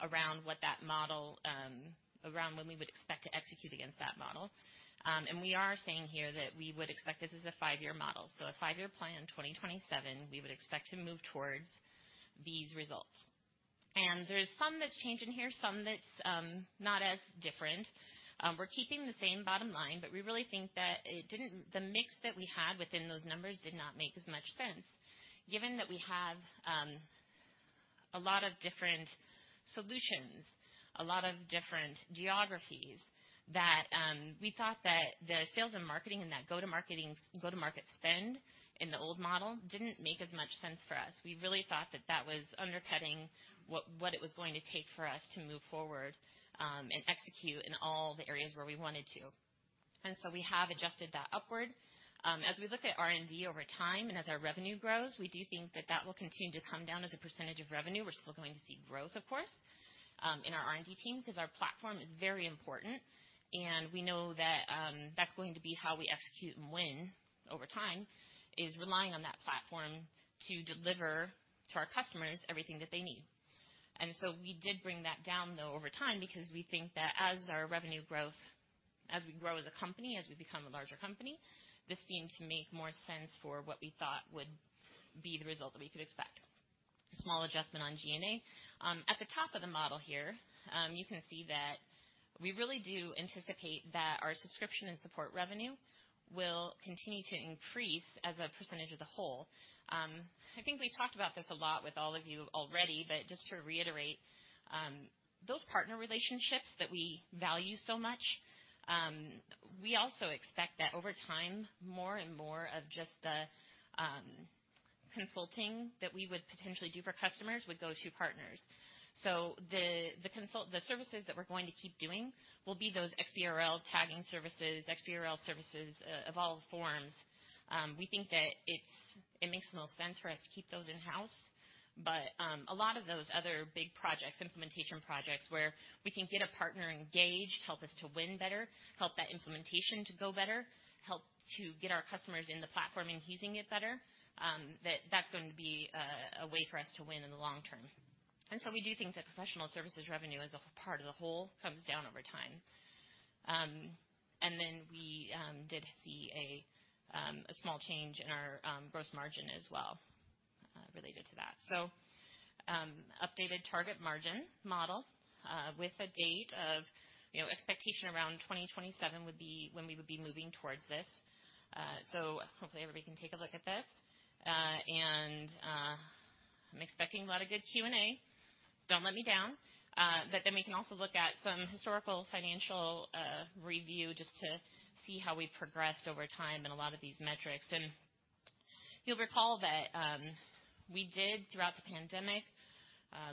around what that model, around when we would expect to execute against that model. We are saying here that we would expect this as a five-year model. A five-year plan, 2027, we would expect to move towards these results. There's some that's changing here, some that's not as different. We're keeping the same bottom line, but we really think that the mix that we had within those numbers did not make as much sense. Given that we have a lot of different solutions, a lot of different geographies that we thought that the sales and marketing and that go-to-market spend in the old model didn't make as much sense for us. We really thought that that was undercutting what it was going to take for us to move forward and execute in all the areas where we wanted to. We have adjusted that upward. As we look at R&D over time and as our revenue grows, we do think that that will continue to come down as a percentage of revenue. We're still going to see growth, of course, in our R&D team because our platform is very important and we know that's going to be how we execute and win over time, is relying on that platform to deliver to our customers everything that they need. We did bring that down, though, over time because we think that as our revenue growth, as we grow as a company, as we become a larger company, this seems to make more sense for what we thought would be the result that we could expect. A small adjustment on G&A. At the top of the model here, you can see that we really do anticipate that our subscription and support revenue will continue to increase as a percentage of the whole. I think we talked about this a lot with all of you already, but just to reiterate, those partner relationships that we value so much, we also expect that over time, more and more of just the consulting that we would potentially do for customers would go to partners. The services that we're going to keep doing will be those XBRL tagging services, XBRL services of all forms. We think that it makes the most sense for us to keep those in-house. A lot of those other big projects, implementation projects, where we can get a partner engaged, help us to win better, help that implementation to go better, help to get our customers in the platform and using it better, that's going to be a way for us to win in the long term. We do think that professional services revenue as a part of the whole comes down over time. Then we did see a small change in our gross margin as well, related to that. Updated target margin model with a date of, you know, expectation around 2027 would be when we would be moving towards this. Hopefully everybody can take a look at this. I'm expecting a lot of good Q&A. Don't let me down. We can also look at some historical financial review just to see how we progressed over time in a lot of these metrics. You'll recall that, we did throughout the pandemic,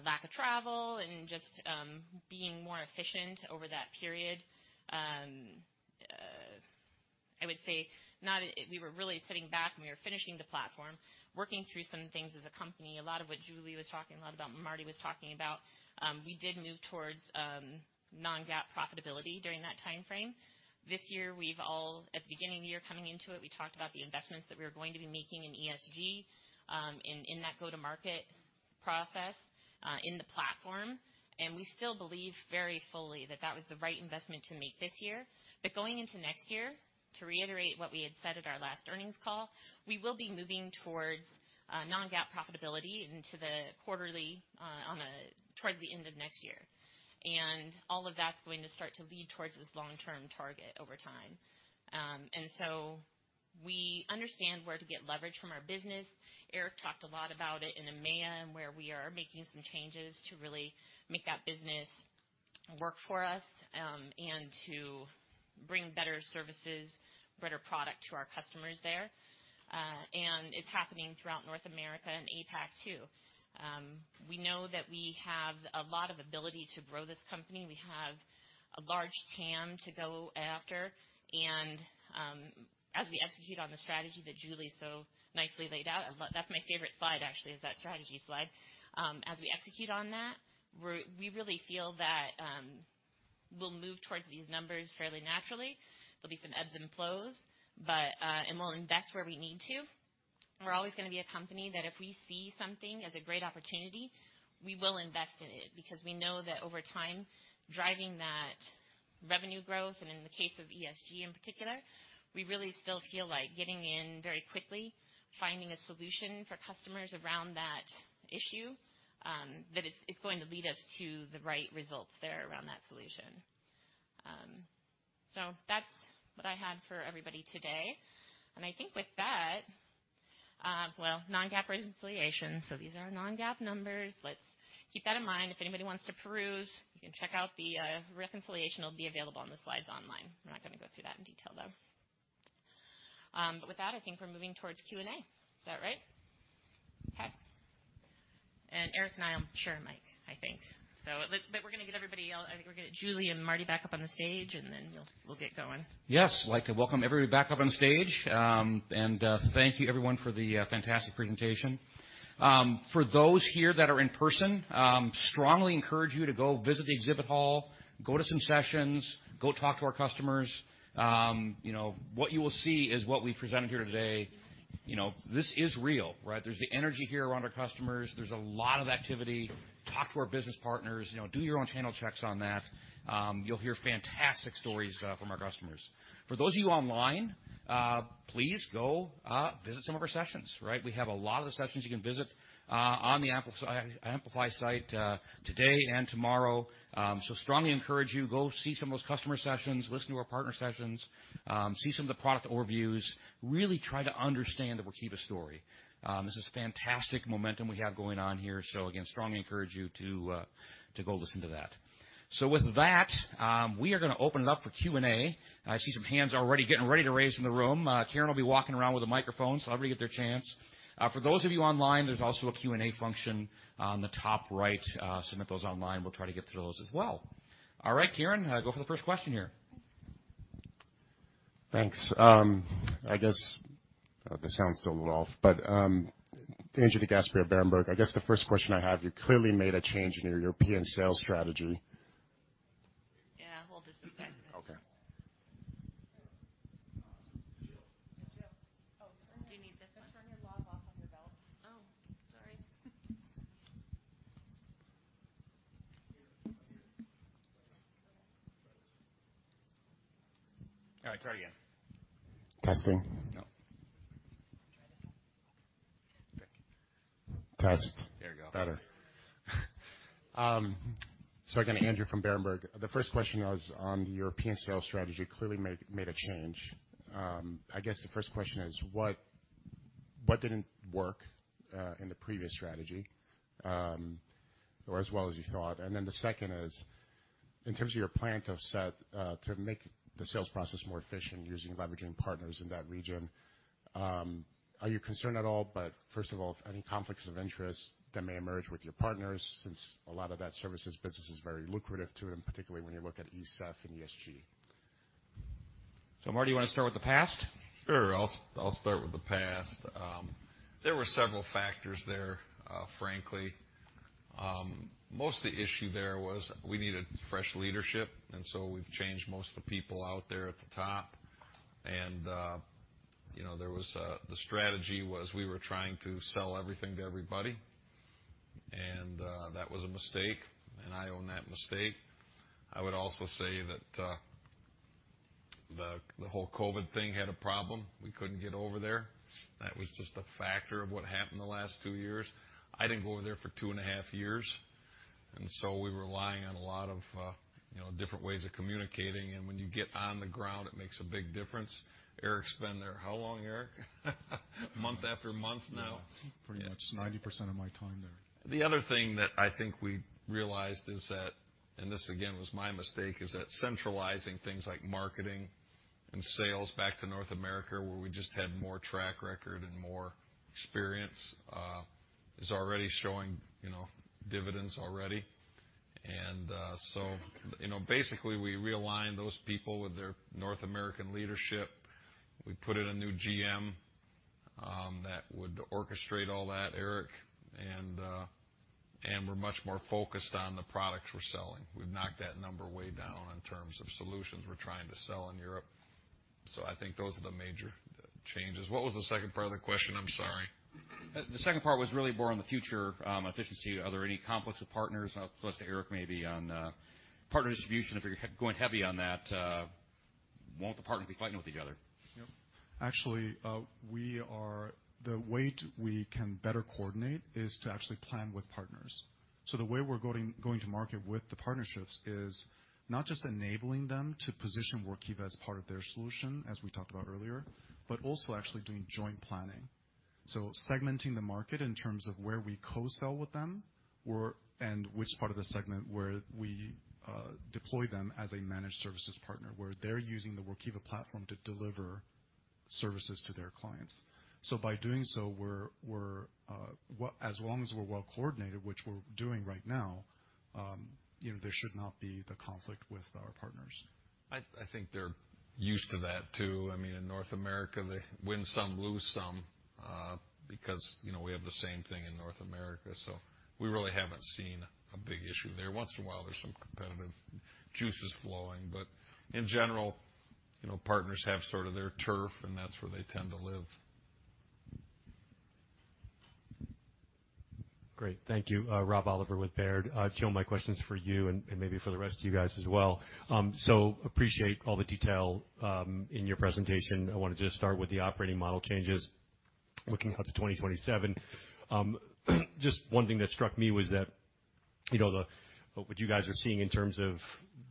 lack of travel and just, being more efficient over that period, I would say not, we were really sitting back and we were finishing the platform, working through some things as a company. A lot of what Julie was talking a lot about and Marty was talking about, we did move towards non-GAAP profitability during that timeframe. At the beginning of the year coming into it, we talked about the investments that we were going to be making in ESG, in that go-to-market process, in the platform. We still believe very fully that that was the right investment to make this year. Going into next year, to reiterate what we had said at our last earnings call, we will be moving towards non-GAAP profitability on a quarterly towards the end of next year. All of that's going to start to lead towards this long-term target over time. We understand where to get leverage from our business. Erik talked a lot about it in EMEA, and where we are making some changes to really make that business work for us, and to bring better services, better product to our customers there. It's happening throughout North America and APAC too. We know that we have a lot of ability to grow this company. We have a large TAM to go after. As we execute on the strategy that Julie so nicely laid out, that's my favorite slide, actually, is that strategy slide. As we execute on that, we really feel that we'll move towards these numbers fairly naturally. There'll be some ebbs and flows, but we'll invest where we need to. We're always gonna be a company that if we see something as a great opportunity, we will invest in it because we know that over time, driving that revenue growth, and in the case of ESG in particular, we really still feel like getting in very quickly, finding a solution for customers around that issue, that it's going to lead us to the right results there around that solution. So that's what I had for everybody today. I think with that, well, non-GAAP reconciliation. These are non-GAAP numbers. Let's keep that in mind. If anybody wants to peruse, you can check out the reconciliation. It'll be available on the slides online. I'm not gonna go through that in detail, though. With that, I think we're moving towards Q&A. Is that right? Okay. Erik and I will share a mic, I think. I think we'll get Julie and Marty back up on the stage, and then we'll get going. Yes. Like to welcome everybody back up on stage. Thank you everyone for the fantastic presentation. For those here that are in person, strongly encourage you to go visit the exhibit hall, go to some sessions, go talk to our customers. You know, what you will see is what we presented here today. You know, this is real, right? There's the energy here around our customers. There's a lot of activity. Talk to our business partners. You know, do your own channel checks on that. You'll hear fantastic stories from our customers. For those of you online, please go visit some of our sessions, right? We have a lot of the sessions you can visit on the Amplify site today and tomorrow. Strongly encourage you, go see some of those customer sessions, listen to our partner sessions, see some of the product overviews. Really try to understand the Workiva story. This is fantastic momentum we have going on here. Again, strongly encourage you to go listen to that. With that, we are gonna open it up for Q&A. I see some hands already getting ready to raise in the room. Karen will be walking around with a microphone, so everybody get their chance. For those of you online, there's also a Q&A function on the top right. Submit those online. We'll try to get through those as well. All right, Karen, go for the first question here. Thanks. I guess the sound's still a little off. Andrew DeGasperi at Berenberg. I guess the first question I have, you clearly made a change in your European sales strategy. Yeah, hold just a second. Okay. Jill. Jill. Oh, turn that. Do you need this one? Just turn your log off on your belt. Oh, sorry. All right, try it again. Testing. No. Try this. Okay. Test. There you go. Better. So again, Andrew DeGasperi from Berenberg. The first question was on the European sales strategy. Clearly made a change. I guess the first question is: What didn't work in the previous strategy? Or as well as you thought. The second is, in terms of your plan to make the sales process more efficient using leveraging partners in that region, are you concerned at all about, first of all, any conflicts of interest that may emerge with your partners since a lot of that services business is very lucrative to them, particularly when you look at ESEF and ESG? Marty, you wanna start with the past? Sure. I'll start with the past. There were several factors there, frankly. Most of the issue there was we needed fresh leadership, and so we've changed most of the people out there at the top. You know, the strategy was we were trying to sell everything to everybody, and that was a mistake, and I own that mistake. I would also say that the whole COVID thing had a problem. We couldn't get over there. That was just a factor of what happened the last two years. I didn't go over there for 2.5 years, and so we were relying on a lot of you know, different ways of communicating, and when you get on the ground, it makes a big difference. Erik's been there, how long, Erik? Yes. Month after month now. Yeah. Pretty much 90% of my time there. The other thing that I think we realized is that, and this again was my mistake, is that centralizing things like marketing and sales back to North America, where we just had more track record and more experience, is already showing, you know, dividends already. You know, basically we realigned those people with their North American leadership. We put in a new GM that would orchestrate all that, Erik, and we're much more focused on the products we're selling. We've knocked that number way down in terms of solutions we're trying to sell in Europe. I think those are the major changes. What was the second part of the question? I'm sorry. The second part was really more on the future, efficiency. Are there any conflicts with partners? I'll toss it to Erik maybe on partner distribution. If you're going heavy on that, won't the partners be fighting with each other? Yep. Actually, the way to better coordinate is to actually plan with partners. The way we're going to market with the partnerships is not just enabling them to position Workiva as part of their solution, as we talked about earlier, but also actually doing joint planning. Segmenting the market in terms of where we co-sell with them, and which part of the segment where we deploy them as a managed services partner, where they're using the Workiva platform to deliver services to their clients. By doing so, as long as we're well coordinated, which we're doing right now, you know, there should not be the conflict with our partners. I think they're used to that too. I mean, in North America, they win some, lose some, because, you know, we have the same thing in North America, so we really haven't seen a big issue there. Once in a while, there's some competitive juices flowing, but in general, you know, partners have sort of their turf, and that's where they tend to live. Great. Thank you. Rob Oliver with Baird. Jill, my question's for you and maybe for the rest of you guys as well. Appreciate all the detail in your presentation. I wanna just start with the operating model changes looking out to 2027. Just one thing that struck me was that, you know, what you guys are seeing in terms of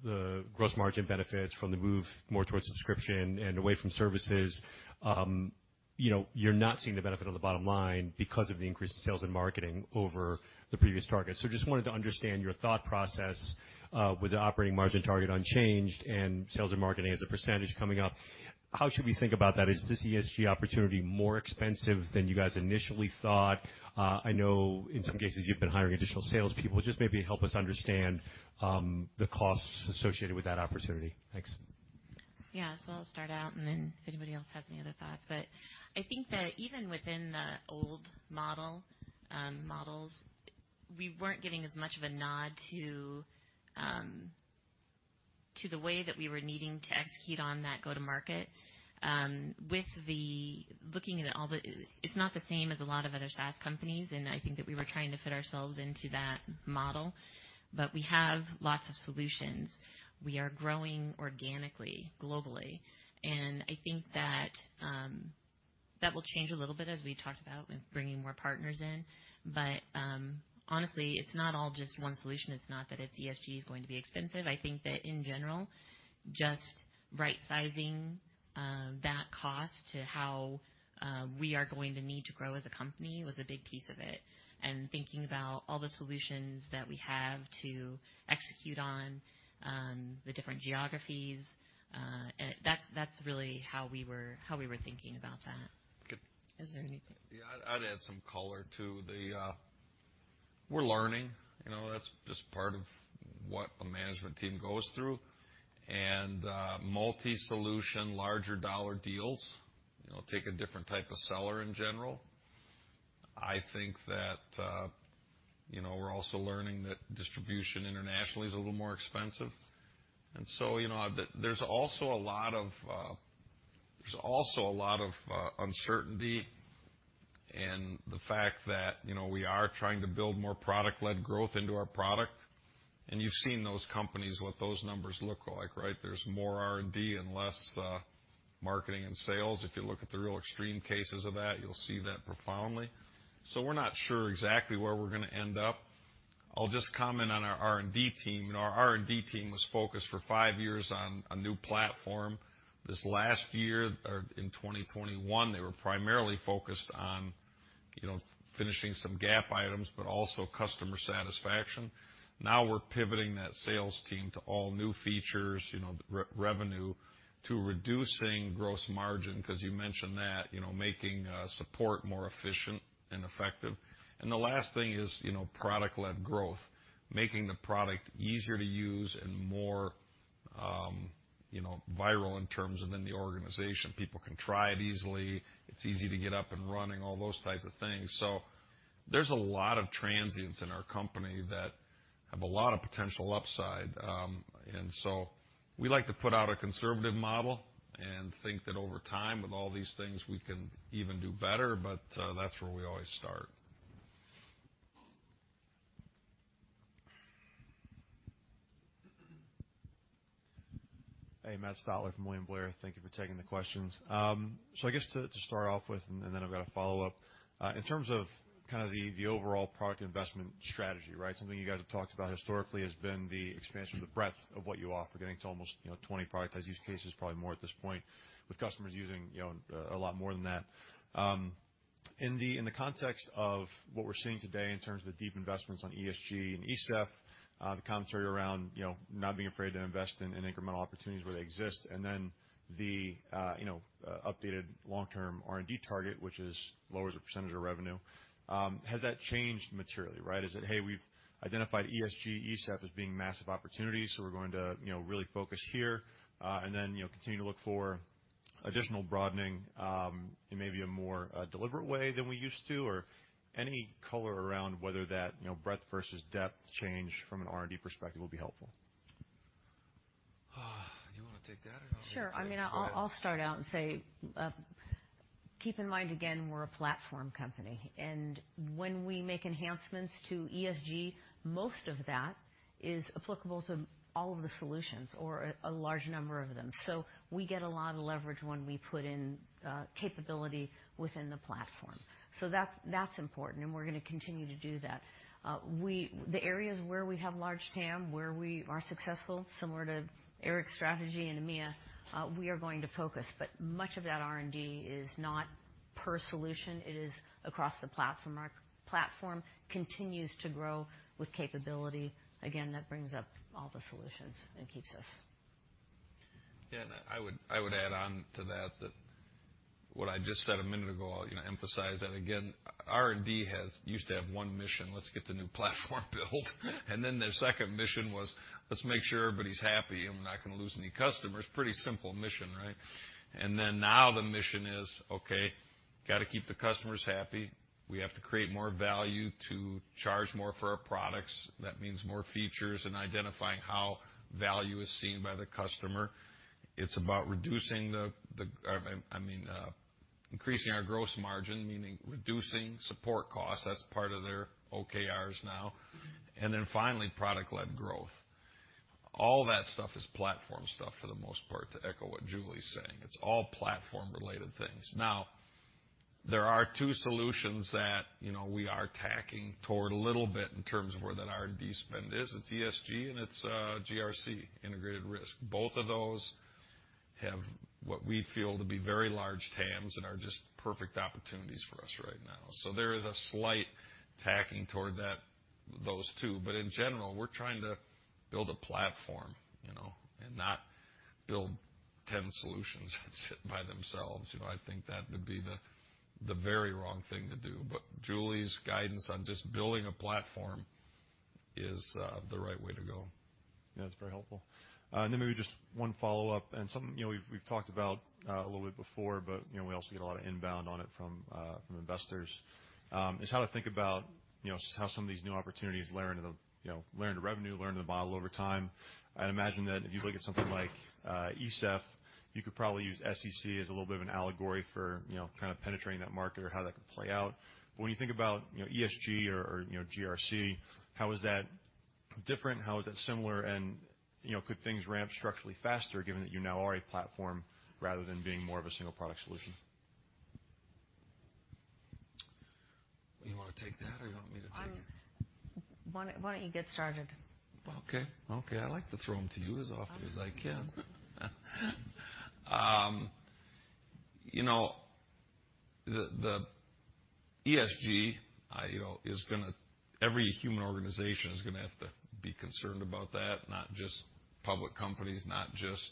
the gross margin benefits from the move more towards subscription and away from services, you know, you're not seeing the benefit on the bottom line because of the increase in sales and marketing over the previous target. Just wanted to understand your thought process with the operating margin target unchanged and sales and marketing as a percentage coming up. How should we think about that? Is this ESG opportunity more expensive than you guys initially thought? I know in some cases you've been hiring additional sales people. Just maybe help us understand, the costs associated with that opportunity. Thanks. Yeah. I'll start out, and then if anybody else has any other thoughts. I think that even within the old model, we weren't giving as much of a nod to the way that we were needing to execute on that go-to-market. It's not the same as a lot of other SaaS companies, and I think that we were trying to fit ourselves into that model. We have lots of solutions. We are growing organically, globally, and I think that that will change a little bit as we talked about with bringing more partners in. Honestly, it's not all just one solution. It's not that it's ESG is going to be expensive. I think that in general, just right sizing that cost to how we are going to need to grow as a company was a big piece of it, and thinking about all the solutions that we have to execute on, the different geographies, that's really how we were thinking about that. Good. Is there anything- I'd add some color. We're learning, you know, that's just part of what a management team goes through. Multi-solution, larger dollar deals, you know, take a different type of seller in general. I think that, you know, we're also learning that distribution internationally is a little more expensive. There's also a lot of uncertainty and the fact that, you know, we are trying to build more product-led growth into our product. You've seen those companies, what those numbers look like, right? There's more R&D and less marketing and sales. If you look at the real extreme cases of that, you'll see that profoundly. We're not sure exactly where we're gonna end up. I'll just comment on our R&D team. You know, our R&D team was focused for five years on a new platform. This last year, or in 2021, they were primarily focused on, you know, finishing some gap items, but also customer satisfaction. Now we're pivoting that sales team to all new features, you know, revenue, to reducing gross margin, because you mentioned that, you know, making support more efficient and effective. The last thing is, you know, product-led growth, making the product easier to use and more, you know, viral in terms of in the organization. People can try it easily. It's easy to get up and running, all those types of things. There's a lot of transients in our company that have a lot of potential upside. We like to put out a conservative model and think that over time, with all these things, we can even do better, but that's where we always start. Hey, Matt Stotler from William Blair. Thank you for taking the questions. I guess to start off with, and then I've got a follow-up. In terms of kind of the overall product investment strategy, right? Something you guys have talked about historically has been the expansion of the breadth of what you offer, getting to almost, you know, 20 productized use cases, probably more at this point, with customers using, you know, a lot more than that. In the context of what we're seeing today in terms of the deep investments on ESG and ESEF, the commentary around, you know, not being afraid to invest in incremental opportunities where they exist, and then the, you know, updated long-term R&D target, which is lower as a percentage of revenue, has that changed materially, right? Is it we've identified ESG, ESEF as being massive opportunities, so we're going to, you know, really focus here, and then, you know, continue to look for additional broadening in maybe a more deliberate way than we used to? Or any color around whether that, you know, breadth versus depth change from an R&D perspective will be helpful. Do you wanna take that, or do you want me to take it? Sure. I mean, I'll start out and say, keep in mind, again, we're a platform company. When we make enhancements to ESG, most of that is applicable to all of the solutions or a large number of them. We get a lot of leverage when we put in capability within the platform. That's important, and we're gonna continue to do that. The areas where we have large TAM, where we are successful, similar to Erik's strategy in EMEA, we are going to focus. Much of that R&D is not per solution, it is across the platform. Our platform continues to grow with capability. Again, that brings up all the solutions and keeps us. Yeah, I would add on to that what I just said a minute ago. I'll, you know, emphasize that again. R&D used to have one mission. Let's get the new platform built. Then their second mission was. Let's make sure everybody's happy, and we're not gonna lose any customers. Pretty simple mission, right? Then now the mission is. Okay, gotta keep the customers happy. We have to create more value to charge more for our products. That means more features and identifying how value is seen by the customer. It's about reducing the, or, I mean, increasing our gross margin, meaning reducing support costs. That's part of their OKRs now. Then finally, product-led growth. All that stuff is platform stuff for the most part, to echo what Julie's saying. It's all platform-related things. Now, there are two solutions that, you know, we are tacking toward a little bit in terms of where that R&D spend is. It's ESG and it's GRC, integrated risk. Both of those have what we feel to be very large TAMs and are just perfect opportunities for us right now. There is a slight tacking toward that, those two. In general, we're trying to build a platform, you know, and not build 10 solutions that sit by themselves. You know, I think that would be the very wrong thing to do. Julie's guidance on just building a platform is the right way to go. Yeah, that's very helpful. Then maybe just one follow-up and something, you know, we've talked about a little bit before, but, you know, we also get a lot of inbound on it from from investors, is how to think about, you know, how some of these new opportunities layer into the, you know, layer into revenue, layer into the model over time. I'd imagine that if you look at something like ESEF, you could probably use SEC as a little bit of an allegory for, you know, kind of penetrating that market or how that could play out. When you think about, you know, ESG or, you know, GRC, how is that different? How is that similar? And, you know, could things ramp structurally faster given that you now are a platform rather than being more of a single product solution? You wanna take that, or you want me to take it? Why don't you get started? I like to throw them to you as often as I can. You know, the ESG. Every human organization is gonna have to be concerned about that, not just public companies, not just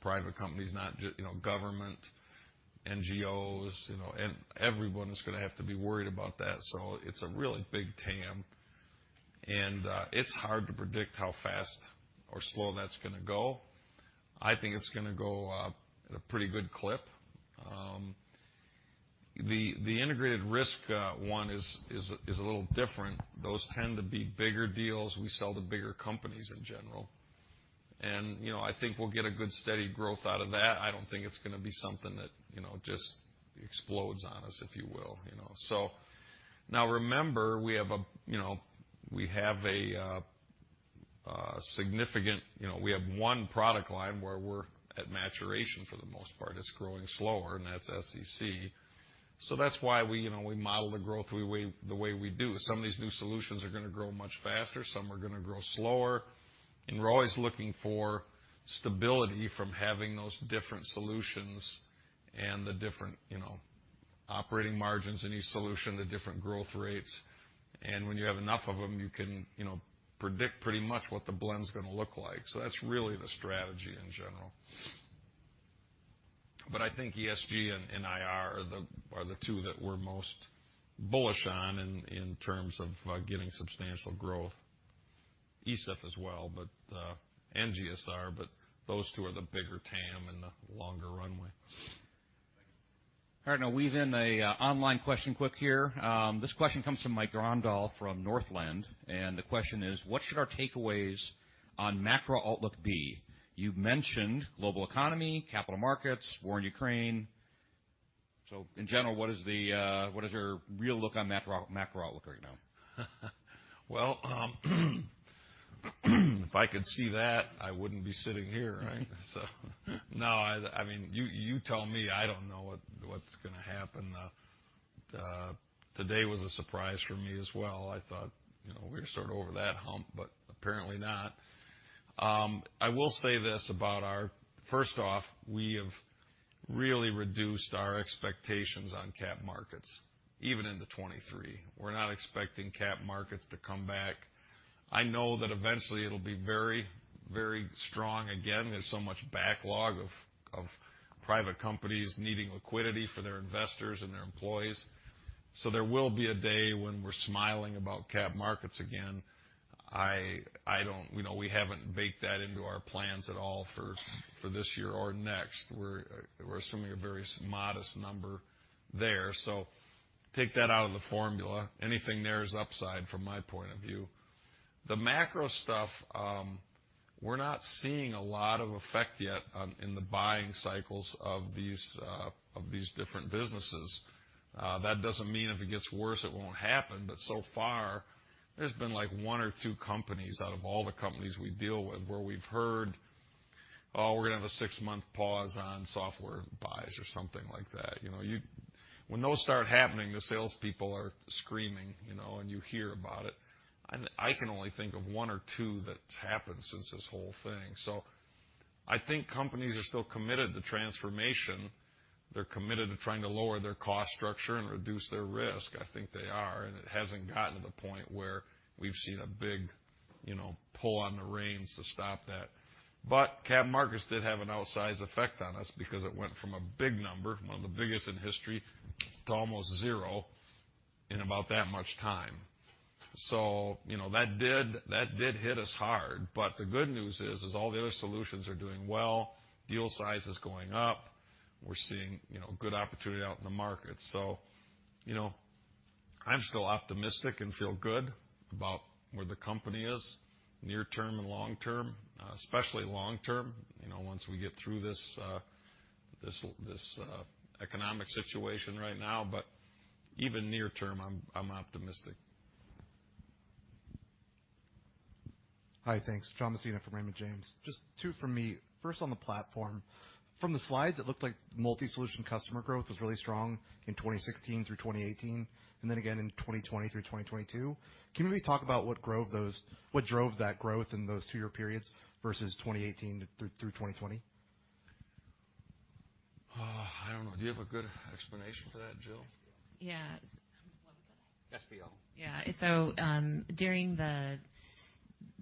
private companies, not just government, NGOs, and everyone is gonna have to be worried about that. It's a really big TAM, and it's hard to predict how fast or slow that's gonna go. I think it's gonna go at a pretty good clip. The integrated risk one is a little different. Those tend to be bigger deals. We sell to bigger companies in general. You know, I think we'll get a good steady growth out of that. I don't think it's gonna be something that just explodes on us, if you will. Now remember, you know, we have one product line where we're at maturity for the most part. It's growing slower, and that's SEC. That's why we, you know, model the growth the way we do. Some of these new solutions are gonna grow much faster, some are gonna grow slower. We're always looking for stability from having those different solutions and the different, you know, operating margins in each solution, the different growth rates. When you have enough of them, you can, you know, predict pretty much what the blend's gonna look like. That's really the strategy in general. I think ESG and IR are the two that we're most bullish on in terms of getting substantial growth. ESEF as well, but and GSR, but those two are the bigger TAM and the longer runway. All right. Now weave in an online question quick here. This question comes from Mike Grondahl from Northland, and the question is: What should our takeaways on macro outlook be? You've mentioned global economy, capital markets, war in Ukraine. In general, what is your real look on macro outlook right now? Well, if I could see that, I wouldn't be sitting here, right? No, I mean, you tell me. I don't know what's gonna happen. Today was a surprise for me as well. I thought, you know, we were sort of over that hump, but apparently not. I will say this about our. First off, we have really reduced our expectations on cap markets, even into 2023. We're not expecting cap markets to come back. I know that eventually it'll be very, very strong again. There's so much backlog of private companies needing liquidity for their investors and their employees. There will be a day when we're smiling about cap markets again. I don't. You know, we haven't baked that into our plans at all for this year or next. We're assuming a very modest number there. Take that out of the formula. Anything there is upside from my point of view. The macro stuff, we're not seeing a lot of effect yet on the buying cycles of these different businesses. That doesn't mean if it gets worse, it won't happen. So far, there's been, like, one or two companies out of all the companies we deal with where we've heard, "Oh, we're gonna have a six-month pause on software buys," or something like that. When those start happening, the salespeople are screaming, you know, and you hear about it. I can only think of one or two that's happened since this whole thing. I think companies are still committed to transformation. They're committed to trying to lower their cost structure and reduce their risk. I think they are, and it hasn't gotten to the point where we've seen a big, you know, pull on the reins to stop that. Capital markets did have an outsized effect on us because it went from a big number, one of the biggest in history, to almost zero in about that much time. You know, that did hit us hard, but the good news is all the other solutions are doing well. Deal size is going up. We're seeing, you know, good opportunity out in the market. You know, I'm still optimistic and feel good about where the company is near term and long term, especially long term, you know, once we get through this economic situation right now. Even near term, I'm optimistic. Hi. Thanks. John Messina from Raymond James. Just two from me. First on the platform. From the slides, it looked like multi-solution customer growth was really strong in 2016 through 2018, and then again in 2020 through 2022. Can you maybe talk about what drove that growth in those two-year periods versus 2018 through 2020? I don't know. Do you have a good explanation for that, Jill? Yeah. SBL. Yeah. During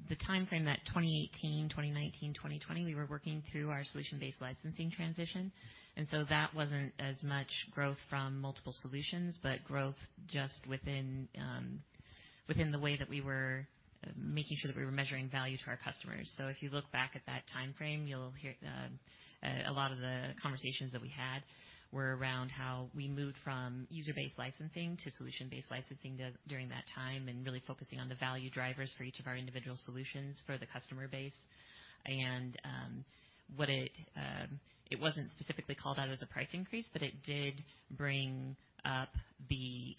the timeframe, that 2018, 2019, 2020, we were working through our solution-based licensing transition, and so that wasn't as much growth from multiple solutions, but growth just within the way that we were making sure that we were measuring value to our customers. If you look back at that timeframe, you'll hear a lot of the conversations that we had were around how we moved from user-based licensing to solution-based licensing during that time, and really focusing on the value drivers for each of our individual solutions for the customer base. It wasn't specifically called out as a price increase, but it did bring up the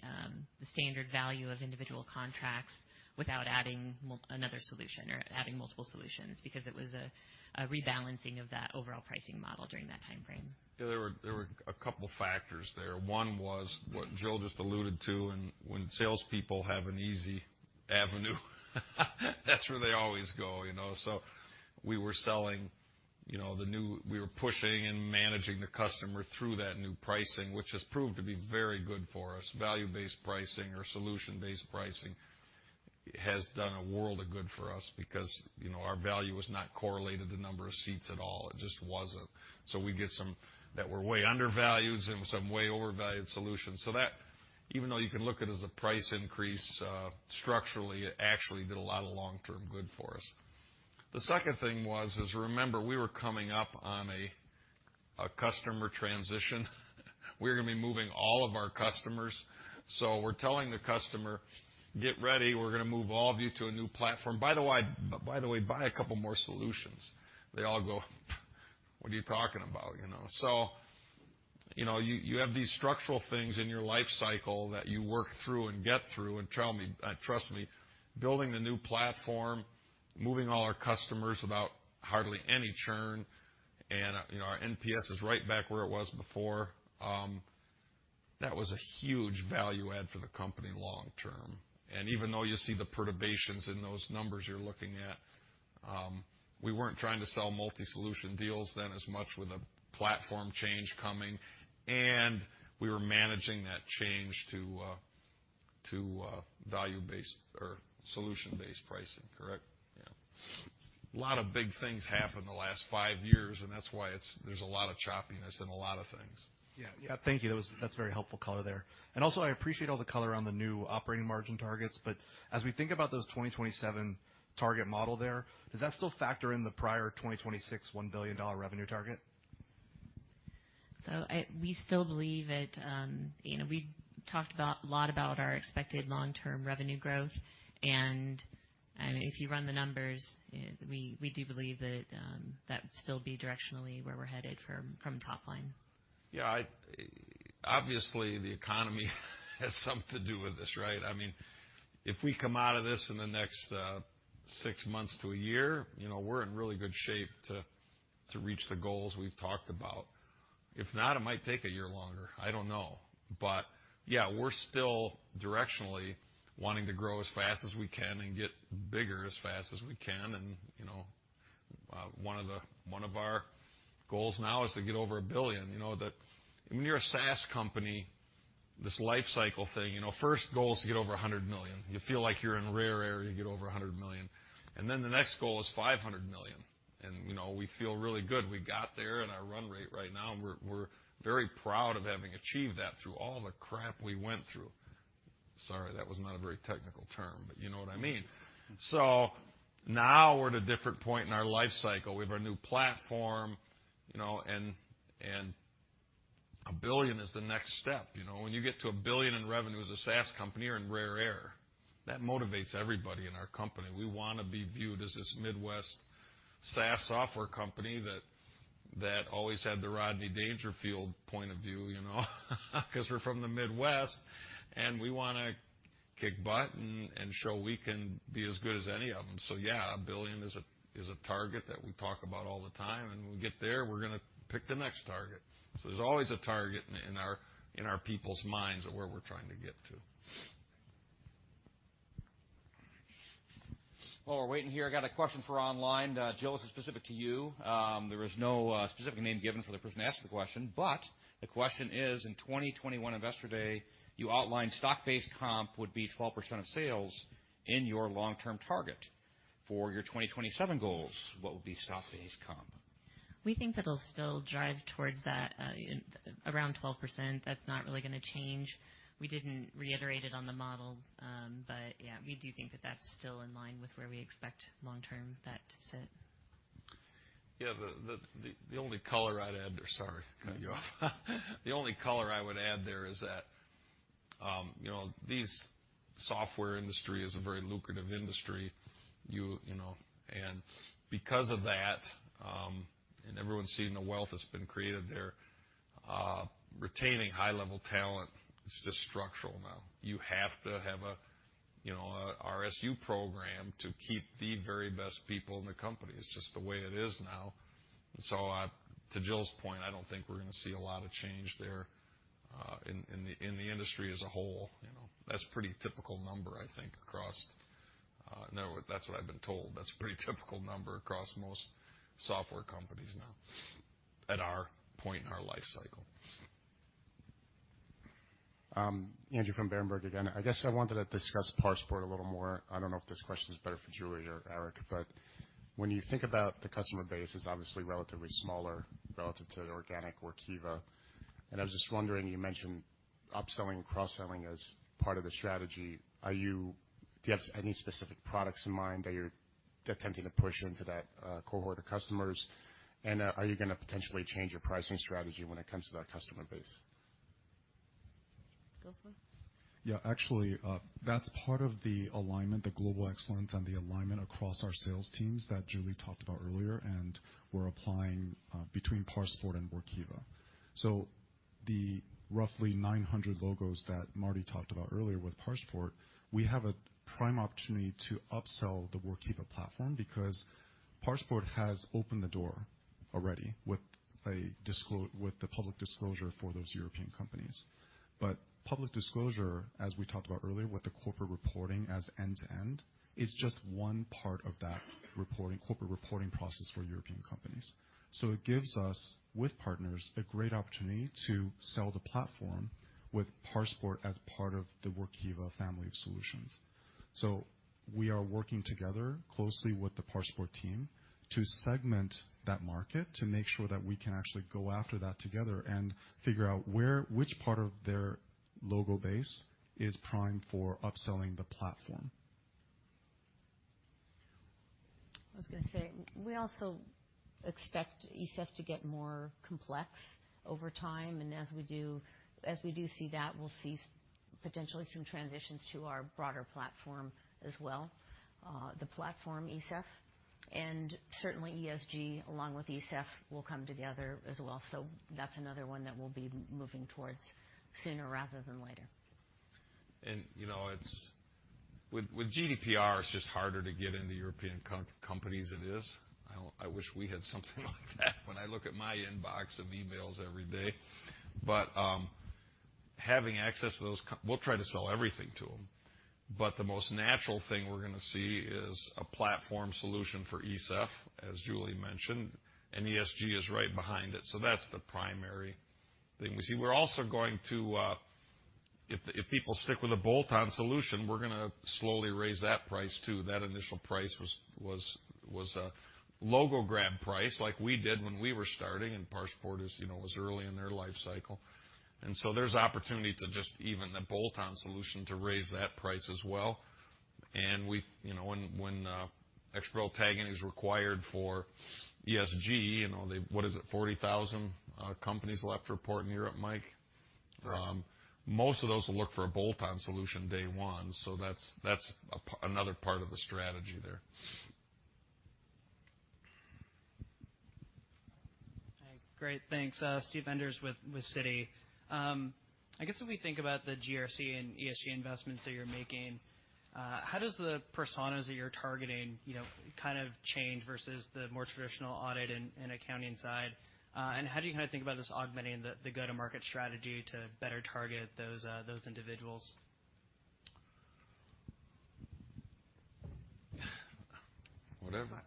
standard value of individual contracts without adding another solution or adding multiple solutions because it was a rebalancing of that overall pricing model during that timeframe. Yeah, there were a couple factors there. One was what Jill just alluded to, and when salespeople have an easy avenue, that's where they always go, you know. We were pushing and managing the customer through that new pricing, which has proved to be very good for us, value-based pricing or solution-based pricing has done a world of good for us because, you know, our value was not correlated to number of seats at all. It just wasn't. So we get some that were way undervalued, some way overvalued solutions. So that even though you can look at as a price increase, structurally, it actually did a lot of long-term good for us. The second thing was, remember, we were coming up on a customer transition. We're gonna be moving all of our customers, so we're telling the customer, "Get ready. We're gonna move all of you to a new platform. By the way, buy a couple more solutions." They all go, "Pfft. What are you talking about?" You know? You know, you have these structural things in your life cycle that you work through and get through. Trust me, building the new platform, moving all our customers without hardly any churn and, you know, our NPS is right back where it was before, that was a huge value add for the company long term. Even though you see the perturbations in those numbers you're looking at, we weren't trying to sell multi-solution deals then as much with a platform change coming, and we were managing that change to value-based or solution-based pricing. Correct? Yeah. A lot of big things happened the last five years, and that's why there's a lot of choppiness in a lot of things. Yeah. Yeah. Thank you. That's very helpful color there. I appreciate all the color on the new operating margin targets, but as we think about those 2027 target model there, does that still factor in the prior 2026 $1 billion revenue target? We still believe that, you know, we talked a lot about our expected long-term revenue growth. I mean, if you run the numbers, we do believe that that would still be directionally where we're headed from top line. Yeah. Obviously, the economy has something to do with this, right? I mean, if we come out of this in the next six months to a year, you know, we're in really good shape to reach the goals we've talked about. If not, it might take a year longer. I don't know. Yeah, we're still directionally wanting to grow as fast as we can and get bigger as fast as we can. You know, one of our goals now is to get over $1 billion. You know, when you're a SaaS company, this life cycle thing, you know, first goal is to get over $100 million. You feel like you're in rare air, you get over $100 million. Then the next goal is $500 million. You know, we feel really good. We got there in our run rate right now, and we're very proud of having achieved that through all the crap we went through. Sorry, that was not a very technical term, but you know what I mean. Now we're at a different point in our life cycle. We have our new platform, you know, and $1 billion is the next step. You know, when you get to $1 billion in revenue as a SaaS company, you're in rare air. That motivates everybody in our company. We wanna be viewed as this Midwest SaaS software company that always had the Rodney Dangerfield point of view, you know, 'cause we're from the Midwest, and we wanna kick butt and show we can be as good as any of them. Yeah, $1 billion is a target that we talk about all the time. When we get there, we're gonna pick the next target. There's always a target in our people's minds of where we're trying to get to. While we're waiting here, I got a question for online. Jill, this is specific to you. There is no specific name given for the person asking the question, but the question is: In 2021 Investor Day, you outlined stock-based comp would be 12% of sales in your long-term target. For your 2027 goals, what would be stock-based comp? We think that'll still drive towards that, around 12%. That's not really gonna change. We didn't reiterate it on the model. Yeah, we do think that that's still in line with where we expect long term that to sit. Yeah. The only color I'd add there. Sorry to cut you off. The only color I would add there is that, you know, this software industry is a very lucrative industry. You know, and because of that, and everyone's seen the wealth that's been created there, retaining high-level talent is just structural now. You have to have a, you know, a RSU program to keep the very best people in the company. It's just the way it is now. To Jill's point, I don't think we're gonna see a lot of change there, in the industry as a whole, you know. That's a pretty typical number, I think, across. That's what I've been told. That's a pretty typical number across most software companies now at our point in our life cycle. Andrew DeGasperi from Berenberg again. I guess I wanted to discuss ParsePort a little more. I don't know if this question is better for Julie or Erik, but when you think about the customer base is obviously relatively smaller relative to the organic Workiva, and I was just wondering, you mentioned upselling and cross-selling as part of the strategy. Do you have any specific products in mind that you're attempting to push into that cohort of customers? And are you gonna potentially change your pricing strategy when it comes to that customer base? Go for it. Yeah. Actually, that's part of the alignment, the global excellence and the alignment across our sales teams that Julie talked about earlier, and we're applying between ParsePort and Workiva. The roughly 900 logos that Marty talked about earlier with ParsePort, we have a prime opportunity to upsell the Workiva platform because ParsePort has opened the door already with the public disclosure for those European companies. Public disclosure, as we talked about earlier, with the corporate reporting as end-to-end. It's just one part of that reporting, corporate reporting process for European companies. It gives us, with partners, a great opportunity to sell the platform with ParsePort as part of the Workiva family of solutions. We are working together closely with the ParsePort team to segment that market, to make sure that we can actually go after that together and figure out where, which part of their logo base is primed for upselling the platform. I was gonna say, we also expect ESEF to get more complex over time. As we do see that, we'll see potentially some transitions to our broader platform as well. The platform ESEF and certainly ESG, along with ESEF, will come together as well. That's another one that we'll be moving towards sooner rather than later. You know, it's with GDPR, it's just harder to get into European companies than it is. I wish we had something like that when I look at my inbox of emails every day. Having access to those companies. We'll try to sell everything to them, but the most natural thing we're gonna see is a platform solution for ESEF, as Julie mentioned, and ESG is right behind it. That's the primary thing we see. We're also going to, if people stick with a bolt-on solution, we're gonna slowly raise that price, too. That initial price was a logo grab price like we did when we were starting, and ParsePort, you know, was early in their life cycle. There's opportunity to just even the bolt-on solution to raise that price as well. You know, when XBRL tagging is required for ESG, you know, they. What is it? 40,000 companies left to report in Europe, Mike? Yeah. Most of those will look for a bolt-on solution day one, so that's another part of the strategy there. Hi. Great. Thanks. Steve Enders with Citi. I guess if we think about the GRC and ESG investments that you're making, how does the personas that you're targeting, you know, kind of change versus the more traditional audit and accounting side? And how do you kinda think about this augmenting the go-to-market strategy to better target those individuals? Whatever.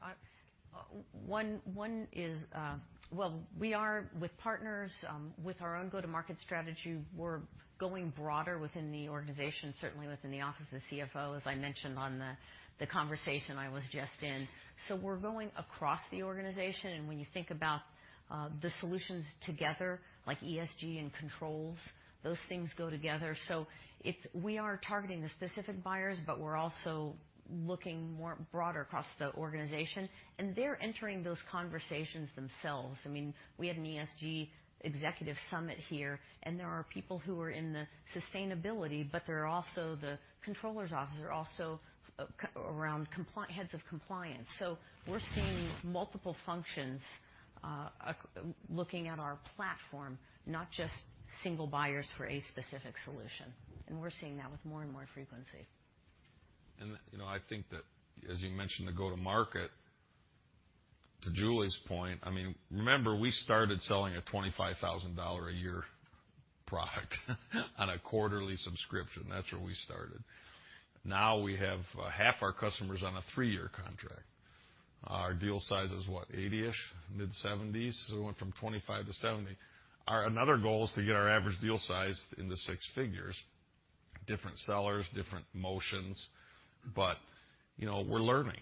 Well, we are with partners with our own go-to-market strategy. We're going broader within the organization, certainly within the office of CFO, as I mentioned on the conversation I was just in. We're going across the organization. When you think about the solutions together, like ESG and controls, those things go together. We're targeting the specific buyers, but we're also looking more broader across the organization. They're entering those conversations themselves. I mean, we had an ESG executive summit here, and there are people who are in the sustainability, but they're also the controller's office. They're also heads of compliance. We're seeing multiple functions looking at our platform, not just single buyers for a specific solution. We're seeing that with more and more frequency. You know, I think that, as you mentioned, the go-to-market, to Julie's point, I mean, remember, we started selling a $25,000 a year product on a quarterly subscription. That's where we started. Now we have half our customers on a three-year contract. Our deal size is, what? 80-ish, mid-70s. So we went from $25,000-$70,000. Another goal is to get our average deal size in the six figures. Different sellers, different motions, but, you know, we're learning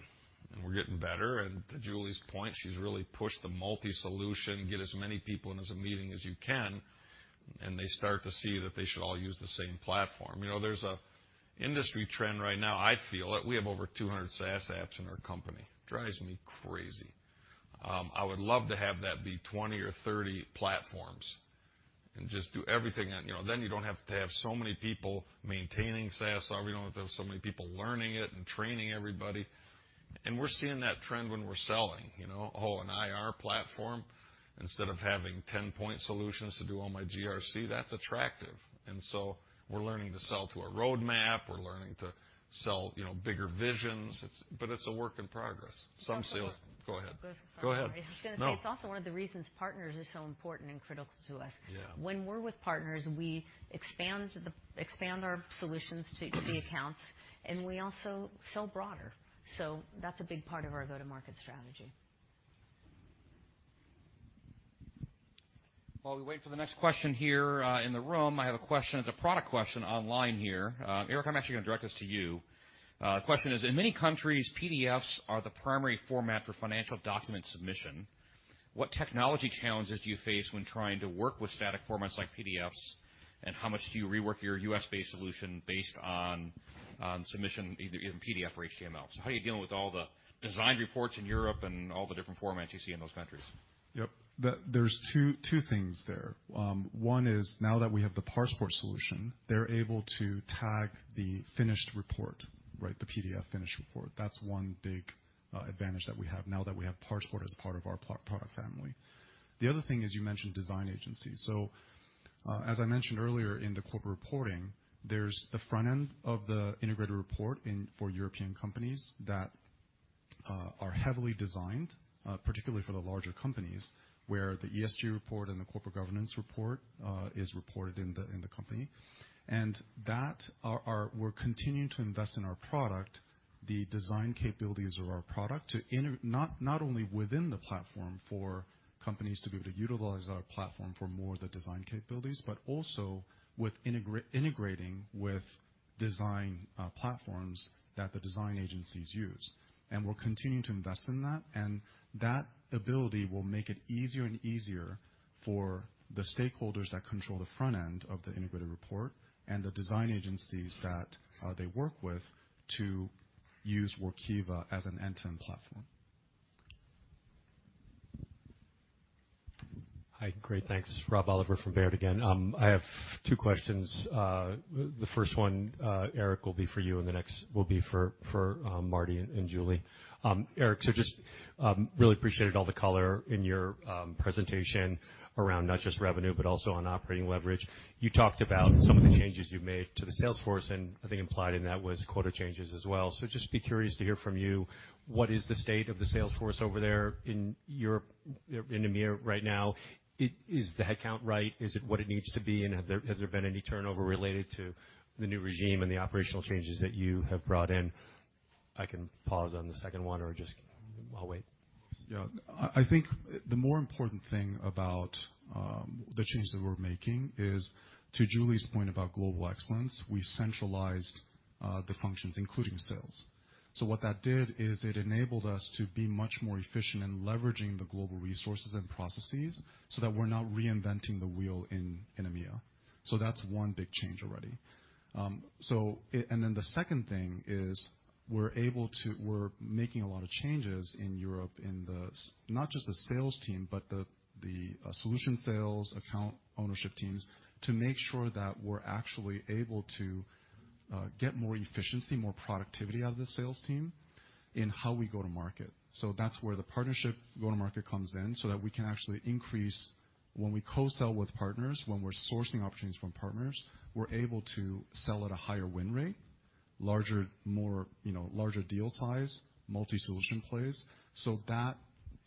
and we're getting better. To Julie's point, she's really pushed the multi-solution, get as many people in as a meeting as you can, and they start to see that they should all use the same platform. You know, there's an industry trend right now. I feel it. We have over 200 SaaS apps in our company. Drives me crazy. I would love to have that be 20 or 30 platforms and just do everything on. You know, then you don't have to have so many people maintaining SaaS. You don't have to have so many people learning it and training everybody. We're seeing that trend when we're selling, you know. Oh, an IR platform? Instead of having point solutions to do all my GRC, that's attractive. We're learning to sell to a roadmap. We're learning to sell, you know, bigger visions. It's a work in progress. Some sales. So- Go ahead. Sorry. Go ahead. No. I was just gonna say, it's also one of the reasons partners is so important and critical to us. Yeah. When we're with partners, we expand our solutions to the accounts, and we also sell broader. That's a big part of our go-to-market strategy. While we wait for the next question here in the room, I have a question. It's a product question online here. Erik Saito, I'm actually gonna direct this to you. Question is, in many countries, PDFs are the primary format for financial document submission. What technology challenges do you face when trying to work with static formats like PDFs, and how much do you rework your U.S.-based solution based on submission either in PDF or HTML? How are you dealing with all the design reports in Europe and all the different formats you see in those countries? Yep. There's two things there. One is now that we have the ParsePort solution, they're able to tag the finished report, right? The PDF finished report. That's one big advantage that we have now that we have ParsePort as part of our product family. The other thing is you mentioned design agencies. As I mentioned earlier in the corporate reporting, there's the front end of the integrated report in for European companies that are heavily designed, particularly for the larger companies, where the ESG report and the corporate governance report is reported in the company. We're continuing to invest in our product, the design capabilities of our product to not only within the platform for companies to be able to utilize our platform for more of the design capabilities, but also with integrating with design platforms that the design agencies use. We're continuing to invest in that, and that ability will make it easier-and-easier for the stakeholders that control the front end of the integrated report and the design agencies that they work with to use Workiva as an end-to-end platform. Hi. Great. Thanks. Rob Oliver from Baird again. I have two questions. The first one, Erik, will be for you, and the next will be for Marty and Julie. Erik, so just really appreciated all the color in your presentation around not just revenue but also on operating leverage. You talked about some of the changes you made to the sales force, and I think implied in that was quota changes as well. Just be curious to hear from you, what is the state of the sales force over there in Europe, in EMEA right now? Is the headcount right? Is it what it needs to be, and has there been any turnover related to the new regime and the operational changes that you have brought in? I can pause on the second one or just I'll wait. Yeah. I think the more important thing about the changes that we're making is, to Julie's point about global excellence, we centralized the functions, including sales. What that did is it enabled us to be much more efficient in leveraging the global resources and processes so that we're not reinventing the wheel in EMEA. That's one big change already. And then the second thing is we're making a lot of changes in Europe not just the sales team, but the solution sales, account ownership teams to make sure that we're actually able to get more efficiency, more productivity out of the sales team in how we go-to-market. That's where the partnership go-to-market comes in, so that we can actually increase. When we co-sell with partners, when we're sourcing opportunities from partners, we're able to sell at a higher win rate, larger more, you know, larger deal size, multi-solution plays. That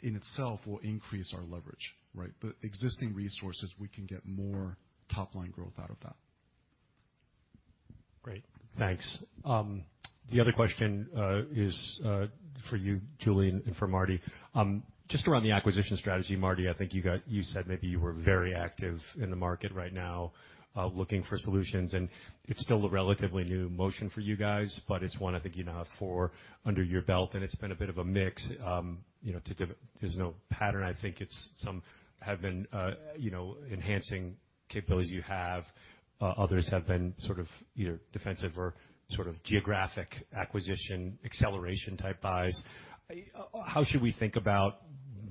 in itself will increase our leverage, right? The existing resources, we can get more top-line growth out of that. Great. Thanks. The other question is for you, Julie, and for Marty. Just around the acquisition strategy, Marty, I think you said maybe you were very active in the market right now, looking for solutions, and it's still a relatively new motion for you guys, but it's one I think you now have four under your belt, and it's been a bit of a mix. You know, to give it, there's no pattern. I think it's some have been, you know, enhancing capabilities you have, others have been sort of either defensive or sort of geographic acquisition, acceleration type buys. How should we think about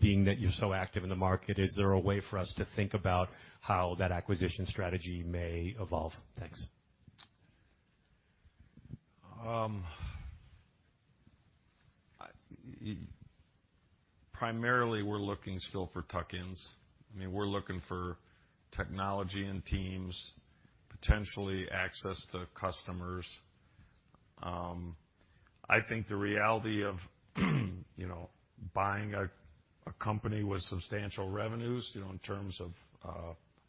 being that you're so active in the market? Is there a way for us to think about how that acquisition strategy may evolve? Thanks. Primarily, we're looking still for tuck-ins. I mean, we're looking for technology and teams, potentially access to customers. I think the reality of, you know, buying a company with substantial revenues, you know, in terms of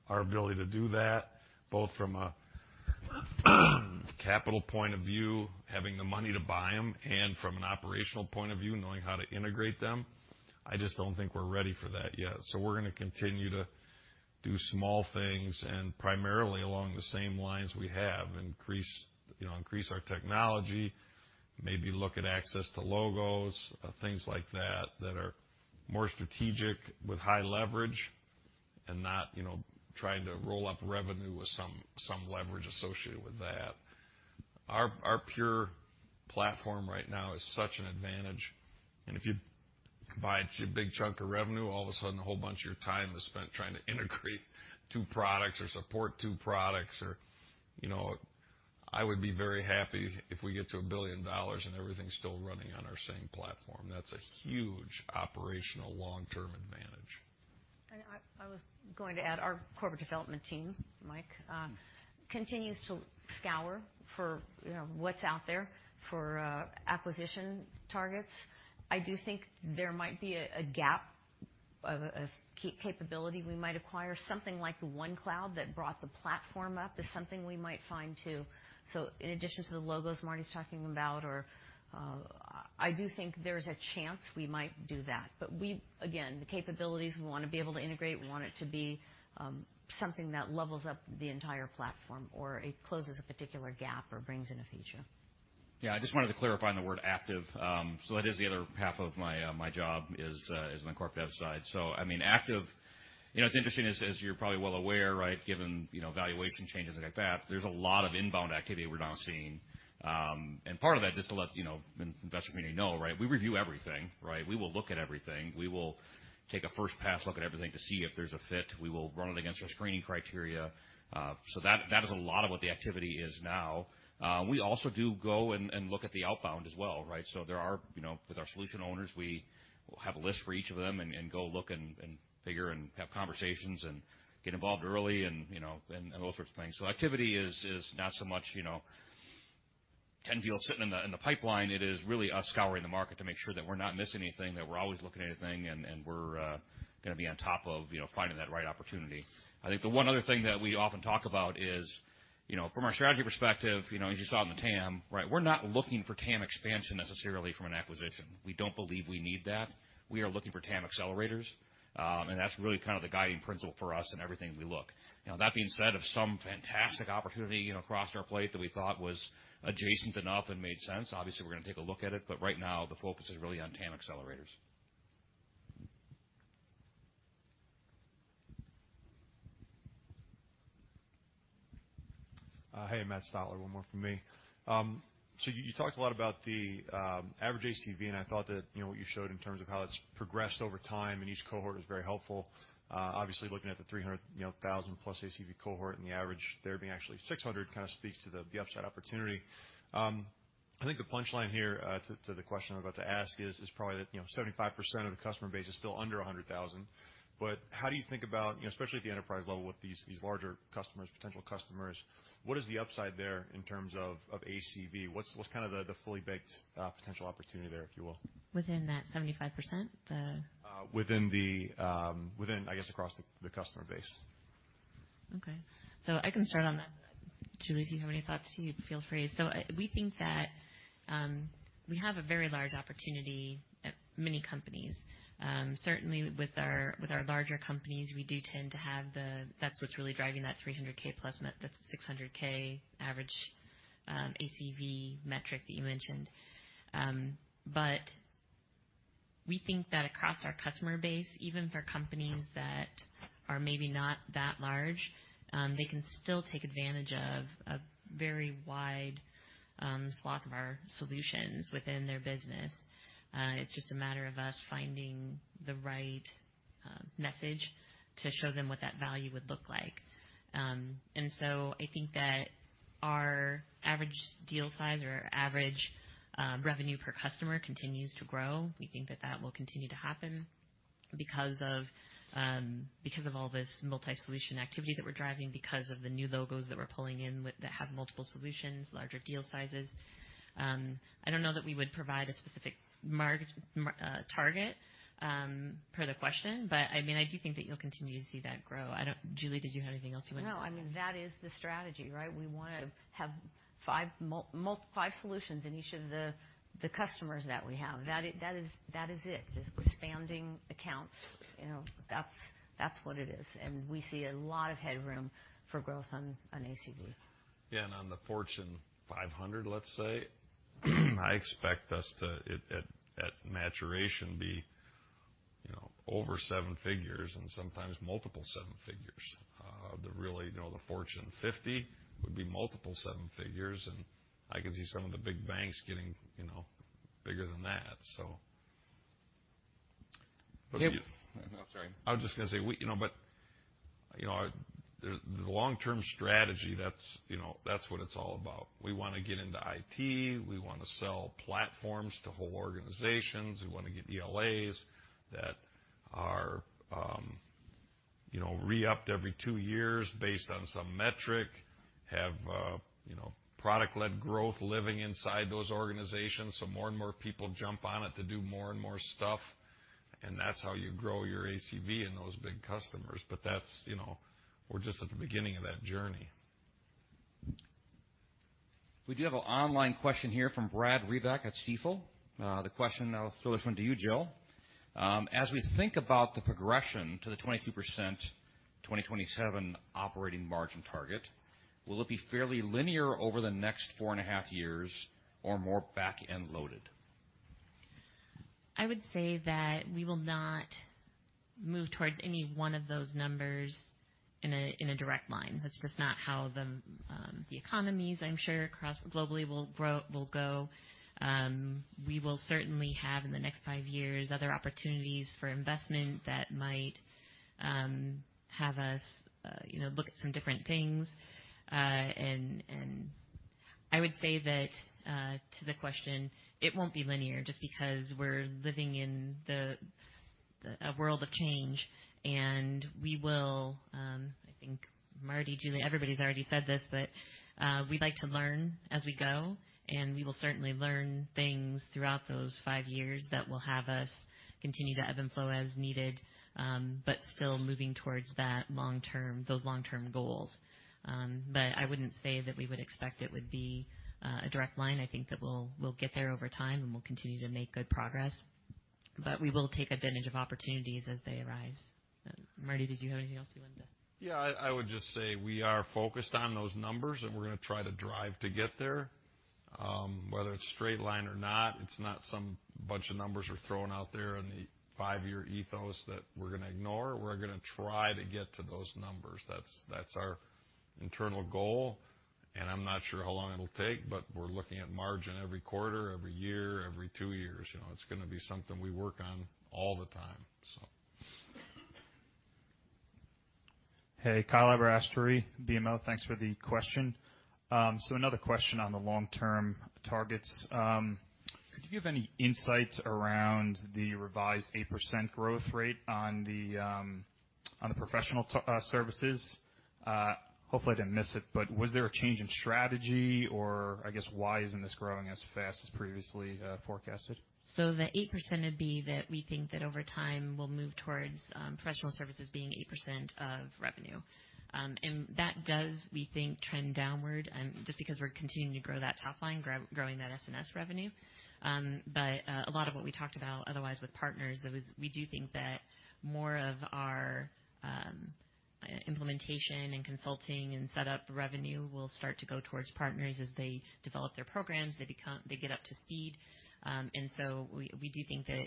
our ability to do that, both from a capital point of view, having the money to buy them, and from an operational point of view, knowing how to integrate them, I just don't think we're ready for that yet. We're gonna continue to do small things and primarily along the same lines we have, increase, you know, increase our technology, maybe look at access to logos, things like that are more strategic with high leverage and not, you know, trying to roll up revenue with some leverage associated with that. Our pure platform right now is such an advantage, and if you buy a big chunk of revenue, all of a sudden, a whole bunch of your time is spent trying to integrate two products or support two products or, you know. I would be very happy if we get to $1 billion and everything's still running on our same platform. That's a huge operational long-term advantage. I was going to add, our corporate development team, Mike, continues to scour for, you know, what's out there for, acquisition targets. I do think there might be a capability we might acquire. Something like the OneCloud that brought the platform up is something we might find too. In addition to the logos Marty's talking about or, I do think there's a chance we might do that. We again, the capabilities we wanna be able to integrate, we want it to be, something that levels up the entire platform, or it closes a particular gap or brings in a feature. Yeah. I just wanted to clarify on the word active. That is the other half of my job, is in the corp dev side. I mean, active, you know, it's interesting as you're probably well aware, right, given, you know, valuation changes like that, there's a lot of inbound activity we're now seeing. Part of that, just to let the investment community know, right, we review everything, right? We will look at everything. We will take a first pass look at everything to see if there's a fit. We will run it against our screening criteria. That is a lot of what the activity is now. We also do go and look at the outbound as well, right? There are, you know, with our solution owners, we We'll have a list for each of them and go look and figure and have conversations and get involved early and, you know, and all sorts of things. Activity is not so much, you know, 10 deals sitting in the pipeline. It is really us scouring the market to make sure that we're not missing anything, that we're always looking at a thing, and we're gonna be on top of, you know, finding that right opportunity. I think the one other thing that we often talk about is, you know, from a strategy perspective, you know, as you saw in the TAM, right? We're not looking for TAM expansion necessarily from an acquisition. We don't believe we need that. We are looking for TAM accelerators. That's really kind of the guiding principle for us in everything we look. Now, that being said, if some fantastic opportunity, you know, crossed our plate that we thought was adjacent enough and made sense, obviously, we're gonna take a look at it, but right now the focus is really on TAM accelerators. Hey, Matt Stotler. One more from me. You talked a lot about the average ACV, and I thought that, you know, what you showed in terms of how it's progressed over time and each cohort is very helpful. Obviously, looking at the 300,000+ ACV cohort and the average there being actually 600 kinda speaks to the upside opportunity. I think the punchline here to the question I'm about to ask is probably that, you know, 75% of the customer base is still under 100,000. How do you think about, you know, especially at the enterprise level with these larger customers, potential customers, what is the upside there in terms of ACV? What's kinda the fully baked potential opportunity there, if you will? Within that 75%? Within, I guess, across the customer base. Okay. I can start on that. Julie, if you have any thoughts, feel free. We think that we have a very large opportunity at many companies. Certainly with our larger companies, we do tend to have the. That's what's really driving that 300,000+, that's the 600,000 average ACV metric that you mentioned. But we think that across our customer base, even for companies that are maybe not that large, they can still take advantage of a very wide swath of our solutions within their business. It's just a matter of us finding the right message to show them what that value would look like. I think that our average deal size or average revenue per customer continues to grow. We think that will continue to happen because of all this multi-solution activity that we're driving, because of the new logos that we're pulling in with that have multiple solutions, larger deal sizes. I don't know that we would provide a specific target per the question, but I mean, I do think that you'll continue to see that grow. I don't. Julie, did you have anything else you wanted to No. I mean, that is the strategy, right? We wanna have five solutions in each of the customers that we have. That is, that is it. Just expanding accounts, you know. That's what it is. We see a lot of headroom for growth on ACV. On the Fortune 500, let's say, I expect us to at maturation be, you know, over seven figures and sometimes multiple seven figures. The really, you know, the Fortune 50 would be multiple seven figures, and I can see some of the big banks getting, you know, bigger than that. Yeah- I was just gonna say, we, you know, but, you know, the long-term strategy, that's, you know, that's what it's all about. We wanna get into IT. We wanna sell platforms to whole organizations. We wanna get ELAs that are, you know, re-upped every two years based on some metric. Have, you know, product-led growth living inside those organizations, so more and more people jump on it to do more and more stuff, and that's how you grow your ACV and those big customers. That's, you know, we're just at the beginning of that journey. We do have an online question here from Brad Reback at Stifel. The question, I'll throw this one to you, Jill. As we think about the progression to the 22% 2027 operating margin target, will it be fairly linear over the next four and a half years or more back and loaded? I would say that we will not move towards any one of those numbers in a direct line. That's just not how the economies, I'm sure, across globally will go. We will certainly have, in the next five years, other opportunities for investment that might have us, you know, look at some different things. I would say that, to the question, it won't be linear just because we're living in a world of change, and we will, I think Marty, Julie, everybody's already said this, but we'd like to learn as we go, and we will certainly learn things throughout those five years that will have us continue to ebb and flow as needed, but still moving towards those long-term goals. I wouldn't say that we would expect it would be a direct line. I think that we'll get there over time, and we'll continue to make good progress. We will take advantage of opportunities as they arise. Marty, did you have anything else you wanted to Yeah. I would just say we are focused on those numbers, and we're gonna try to drive to get there. Whether it's straight line or not, it's not some bunch of numbers we're throwing out there in the five-year thesis that we're gonna ignore. We're gonna try to get to those numbers. That's our internal goal, and I'm not sure how long it'll take, but we're looking at margin every quarter, every year, every two years. You know, it's gonna be something we work on all the time. Hey, Kyle Aberasturi, BMO. Thanks for the question. Another question on the long-term targets. Do you have any insights around the revised 8% growth rate on the professional services? Hopefully I didn't miss it, but was there a change in strategy or I guess why isn't this growing as fast as previously forecasted? The 8% would be that we think that over time we'll move towards professional services being 8% of revenue. That does, we think, trend downward just because we're continuing to grow that top line, growing that SNS revenue. A lot of what we talked about otherwise with partners, we do think that more of our implementation and consulting and set up revenue will start to go towards partners as they develop their programs, they get up to speed. We do think that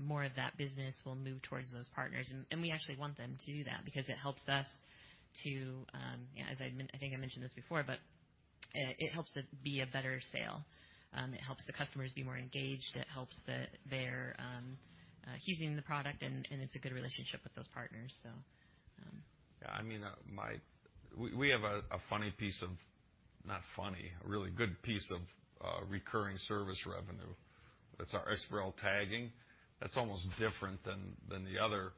more of that business will move towards those partners. We actually want them to do that because it helps us to, as I think I mentioned this before, but it helps it be a better sale. It helps the customers be more engaged. It helps their using the product, and it's a good relationship with those partners. Yeah, I mean, we have a funny piece of. Not funny, a really good piece of recurring service revenue. That's our XBRL tagging. That's almost different than the other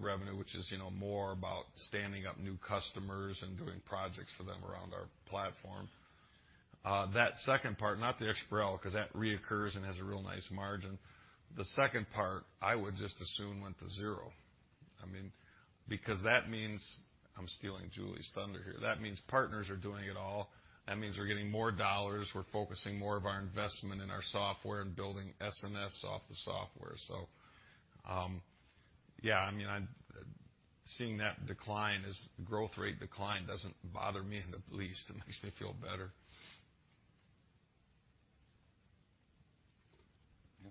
revenue, which is, you know, more about standing up new customers and doing projects for them around our platform. That second part, not the XBRL, because that reoccurs and has a real nice margin. The second part, I would just assume went to zero. I mean, because that means I'm stealing Julie's thunder here. That means partners are doing it all. That means we're getting more dollars. We're focusing more of our investment in our software and building SNS off the software. So, yeah, I mean, I'm seeing that decline as growth rate decline, doesn't bother me in the least. It makes me feel better. Yeah.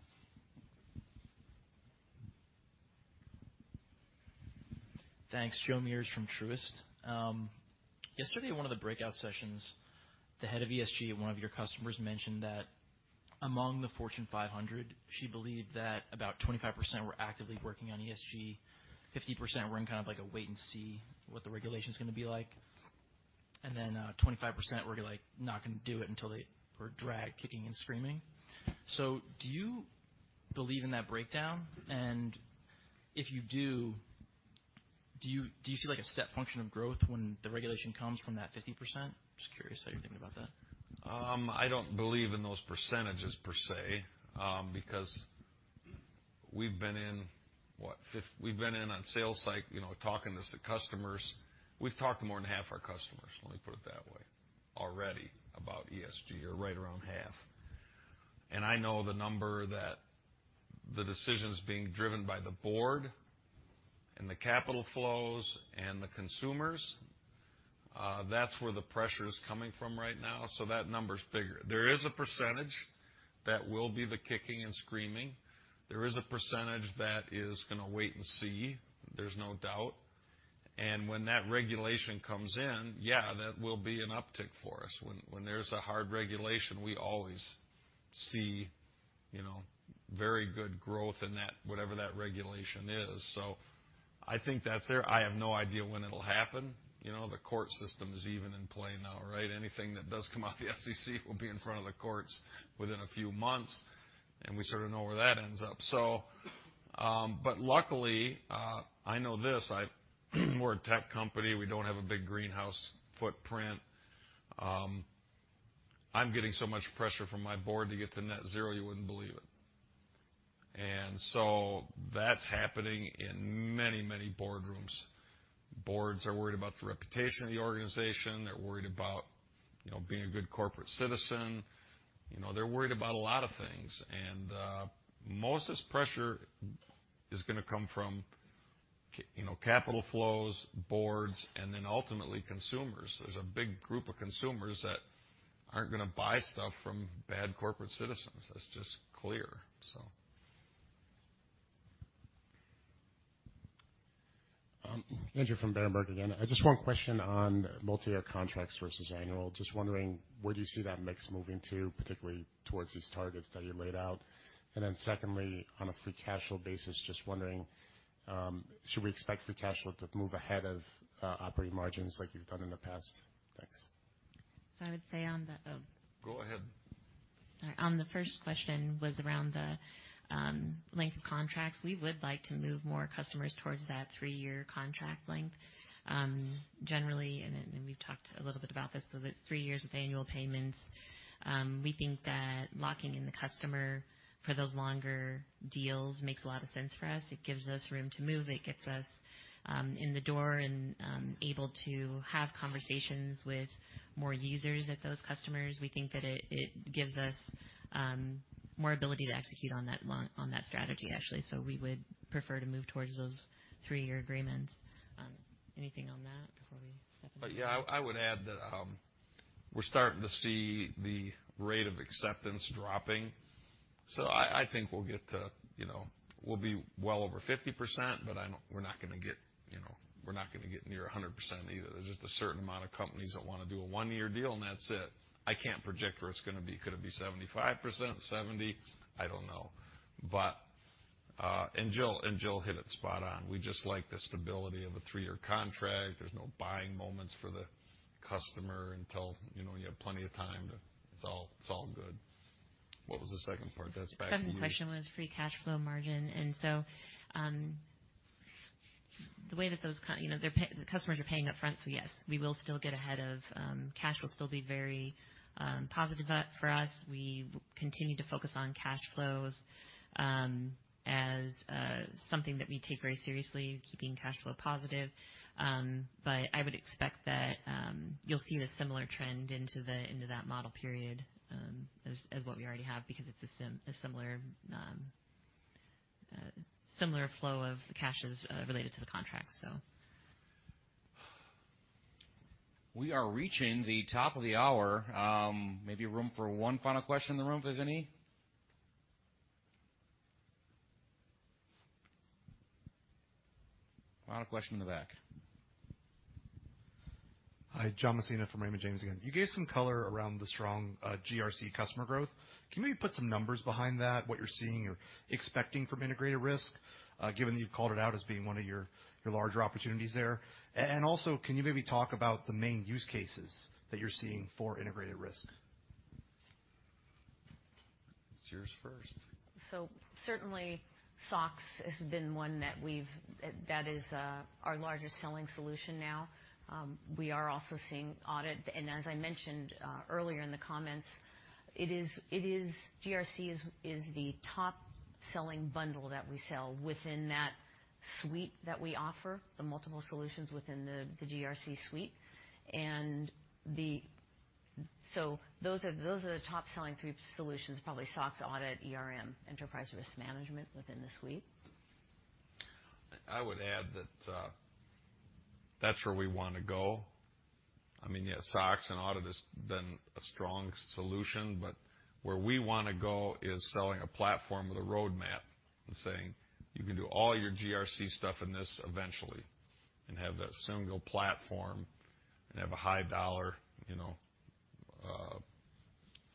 Thanks. Joe Meares from Truist. Yesterday, one of the breakout sessions, the head of ESG at one of your customers mentioned that among the Fortune 500, she believed that about 25% were actively working on ESG, 50% were in kind of like a wait-and-see what the regulation is gonna be like, and then, 25% were like, not gonna do it until they were dragged kicking and screaming. Do you believe in that breakdown? If you do you see like a step function of growth when the regulation comes from that 50%? Just curious how you're thinking about that. I don't believe in those percentages per se, because we've been in on sales cycle, you know, talking to our customers. We've talked to more than half our customers, let me put it that way, already about ESG or right around half. I know the number that the decisions being driven by the board and the capital flows and the consumers, that's where the pressure is coming from right now. That number is bigger. There is a percentage that will be the kicking and screaming. There is a percentage that is gonna wait and see. There's no doubt. When that regulation comes in, yeah, that will be an uptick for us. When there's a hard regulation, we always see, you know, very good growth in that, whatever that regulation is. I think that's there. I have no idea when it'll happen. You know, the court system is even in play now, right? Anything that does come out the SEC will be in front of the courts within a few months, and we sort of know where that ends up. But luckily, I know this. We're a tech company. We don't have a big greenhouse footprint. I'm getting so much pressure from my board to get to net zero, you wouldn't believe it. That's happening in many, many boardrooms. Boards are worried about the reputation of the organization. They're worried about, you know, being a good corporate citizen. You know, they're worried about a lot of things. Most of this pressure is gonna come from you know, capital flows, boards, and then ultimately consumers. There's a big group of consumers that aren't gonna buy stuff from bad corporate citizens. That's just clear. Andrew from Berenberg again. I just one question on multiyear contracts versus annual. Just wondering, where do you see that mix moving to, particularly towards these targets that you laid out? Secondly, on a free cash flow basis, just wondering, should we expect free cash flow to move ahead of operating margins like you've done in the past? Thanks. I would say on the. Go ahead. The first question was around the length of contracts. We would like to move more customers towards that three-year contract length. Generally, and we've talked a little bit about this, but it's three years with annual payments. We think that locking in the customer for those longer deals makes a lot of sense for us. It gives us room to move. It gets us in the door and able to have conversations with more users at those customers. We think that it gives us more ability to execute on that strategy, actually. We would prefer to move towards those three-year agreements. Anything on that before we step into. Yeah, I would add that, we're starting to see the rate of acceptance dropping. So I think we'll get to, you know, we'll be well over 50%, but I know we're not gonna get, you know, we're not gonna get near 100% either. There's just a certain amount of companies that wanna do a one-year deal, and that's it. I can't project where it's gonna be. Could it be 75%, 70%? I don't know. Jill hit it spot on. We just like the stability of a three-year contract. There's no buying moments for the customer until, you know, you have plenty of time to. It's all good. What was the second part? That's back to me. Second question was free cash flow margin. The way that you know the customers are paying up front, so yes, we will still get ahead of cash will still be very positive for us. We continue to focus on cash flows as something that we take very seriously, keeping cash flow positive. I would expect that you'll see this similar trend into that model period as what we already have because it's a similar flow of the cash flows related to the contract so. We are reaching the top of the hour. Maybe room for one final question in the room if there's any? Final question in the back. Hi, John Messina from Raymond James again. You gave some color around the strong GRC customer growth. Can you maybe put some numbers behind that, what you're seeing or expecting from integrated risk, given that you've called it out as being one of your larger opportunities there? Can you maybe talk about the main use cases that you're seeing for integrated risk? It's yours first. Certainly, SOX has been one that is our largest selling solution now. We are also seeing audit. As I mentioned earlier in the comments, GRC is the top selling bundle that we sell within that suite that we offer, the multiple solutions within the GRC suite. Those are the top selling three solutions, probably SOX, audit, ERM, enterprise risk management within the suite. I would add that's where we wanna go. I mean, yeah, SOX and audit has been a strong solution, but where we wanna go is selling a platform with a roadmap and saying, "You can do all your GRC stuff in this eventually," and have that single platform and have a high dollar, you know,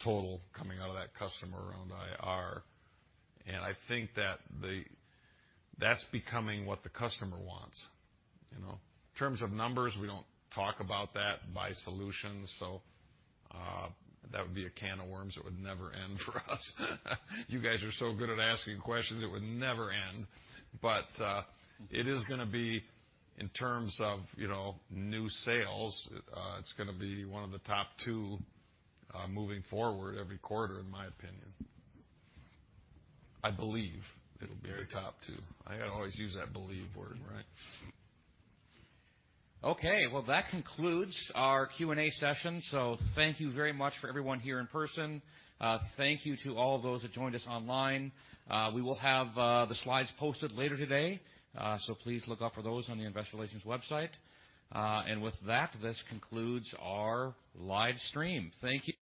total coming out of that customer around IR. And I think that's becoming what the customer wants, you know. In terms of numbers, we don't talk about that by solutions. That would be a can of worms that would never end for us. You guys are so good at asking questions, it would never end. It is gonna be in terms of, you know, new sales, it's gonna be one of the top two, moving forward every quarter, in my opinion. I believe it'll be the top two. I gotta always use that believe word, right? Okay. Well, that concludes our Q&A session. Thank you very much for everyone here in person. Thank you to all those that joined us online. We will have the slides posted later today, so please look out for those on the Investor Relations website. With that, this concludes our live stream. Thank you.